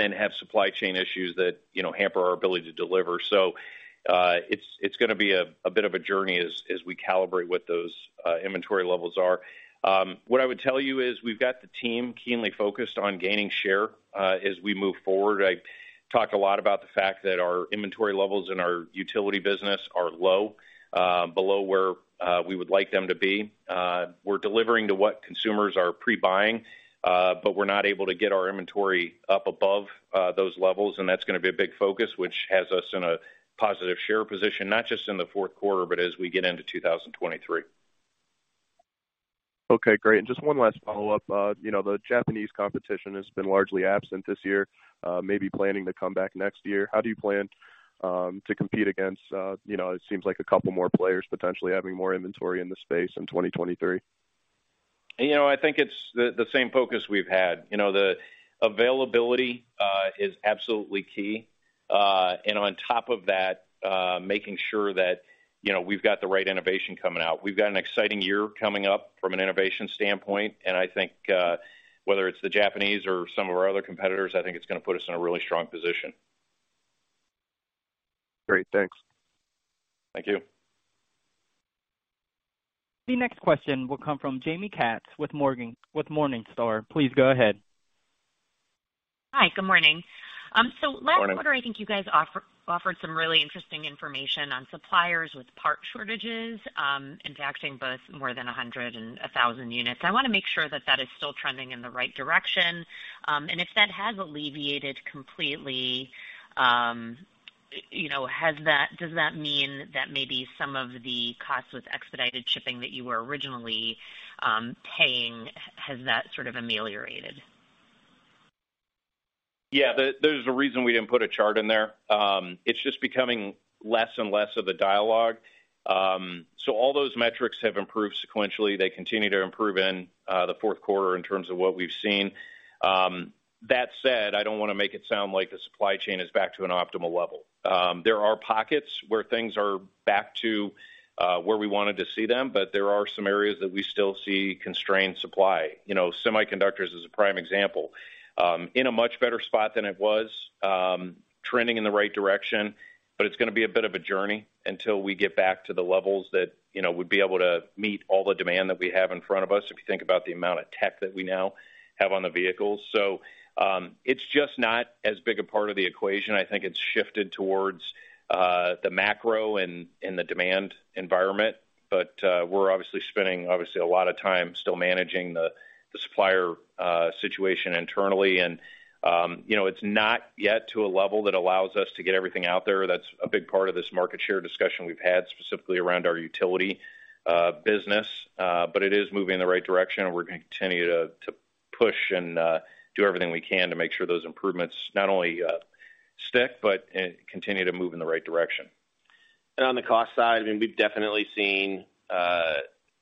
then have supply chain issues that, you know, hamper our ability to deliver. It's gonna be a bit of a journey as we calibrate what those inventory levels are. What I would tell you is we've got the team keenly focused on gaining share, as we move forward. I talked a lot about the fact that our inventory levels in our utility business are low, below where we would like them to be. We're delivering to what consumers are pre-buying, but we're not able to get our inventory up above those levels, and that's gonna be a big focus, which has us in a positive share position, not just in the fourth quarter, but as we get into 2023. Okay, great. Just one last follow-up. You know, the Japanese competition has been largely absent this year, maybe planning to come back next year. How do you plan to compete against, you know, it seems like a couple more players potentially having more inventory in the space in 2023? You know, I think it's the same focus we've had. You know, the availability is absolutely key. On top of that, making sure that, you know, we've got the right innovation coming out. We've got an exciting year coming up from an innovation standpoint, and I think whether it's the Japanese or some of our other competitors, I think it's gonna put us in a really strong position. Great. Thanks. Thank you. The next question will come from Jaime Katz with Morningstar. Please go ahead. Hi. Good morning. Good morning. Last quarter, I think you guys offered some really interesting information on suppliers with part shortages, impacting both more than 100 and 1,000 units. I wanna make sure that that is still trending in the right direction. If that has alleviated completely, you know, does that mean that maybe some of the costs with expedited shipping that you were originally paying, has that sort of ameliorated? There's a reason we didn't put a chart in there. It's just becoming less and less of a dialogue. All those metrics have improved sequentially. They continue to improve in the fourth quarter in terms of what we've seen. That said, I don't wanna make it sound like the supply chain is back to an optimal level. There are pockets where things are back to where we wanted to see them, but there are some areas that we still see constrained supply. You know, semiconductors is a prime example. In a much better spot than it was, trending in the right direction, but it's gonna be a bit of a journey until we get back to the levels that, you know, would be able to meet all the demand that we have in front of us, if you think about the amount of tech that we now have on the vehicles. It's just not as big a part of the equation. I think it's shifted towards the macro and the demand environment. We're obviously spending a lot of time still managing the supplier situation internally. You know, it's not yet to a level that allows us to get everything out there. That's a big part of this market share discussion we've had specifically around our utility business. It is moving in the right direction, and we're gonna continue to push and do everything we can to make sure those improvements not only stick but continue to move in the right direction. On the cost side, I mean, we've definitely seen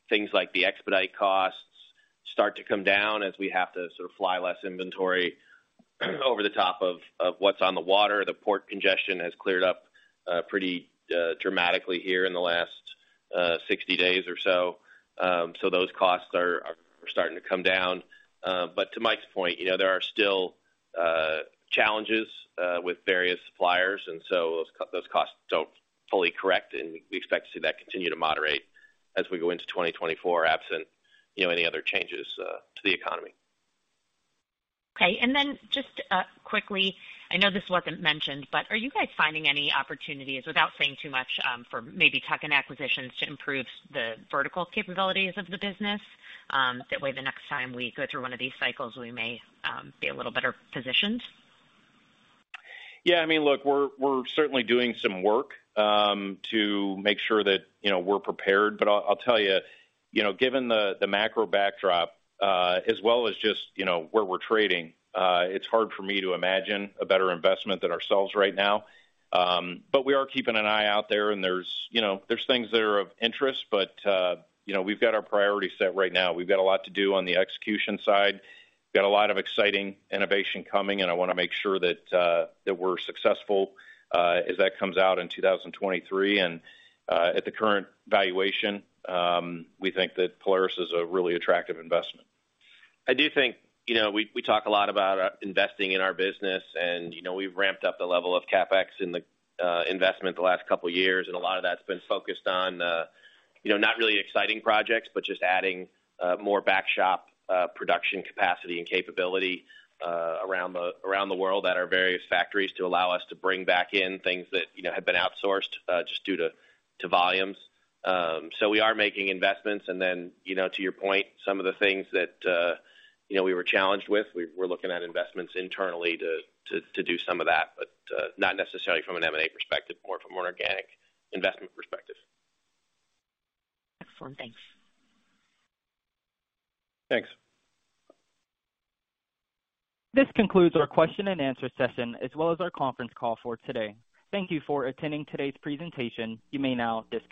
things like the expedite costs start to come down as we have to sort of fly less inventory over the top of what's on the water. The port congestion has cleared up pretty dramatically here in the last 60 days or so. Those costs are starting to come down. To Mike's point, you know, there are still challenges with various suppliers, and so those costs don't fully correct, and we expect to see that continue to moderate as we go into 2024, absent, you know, any other changes to the economy. Okay. Just quickly, I know this wasn't mentioned, but are you guys finding any opportunities, without saying too much, for maybe tuck-in acquisitions to improve the vertical capabilities of the business? That way the next time we go through one of these cycles, we may be a little better positioned. Yeah, I mean, look, we're certainly doing some work to make sure that, you know, we're prepared. I'll tell you know, given the macro backdrop, as well as just, you know, where we're trading, it's hard for me to imagine a better investment than ourselves right now. We are keeping an eye out there, and there's, you know, things that are of interest, but, you know, we've got our priorities set right now. We've got a lot to do on the execution side. We've got a lot of exciting innovation coming, and I wanna make sure that we're successful as that comes out in 2023. At the current valuation, we think that Polaris is a really attractive investment. I do think, you know, we talk a lot about investing in our business and, you know, we've ramped up the level of CapEx in the investment the last couple years, and a lot of that's been focused on, you know, not really exciting projects, but just adding more back shop production capacity and capability around the world at our various factories to allow us to bring back in things that, you know, have been outsourced just due to volumes. So we are making investments. You know, to your point, some of the things that, you know, we were challenged with, we're looking at investments internally to do some of that, but not necessarily from an M&A perspective, more from an organic investment perspective. Excellent. Thanks. Thanks. This concludes our question and answer session, as well as our conference call for today. Thank you for attending today's presentation. You may now disconnect.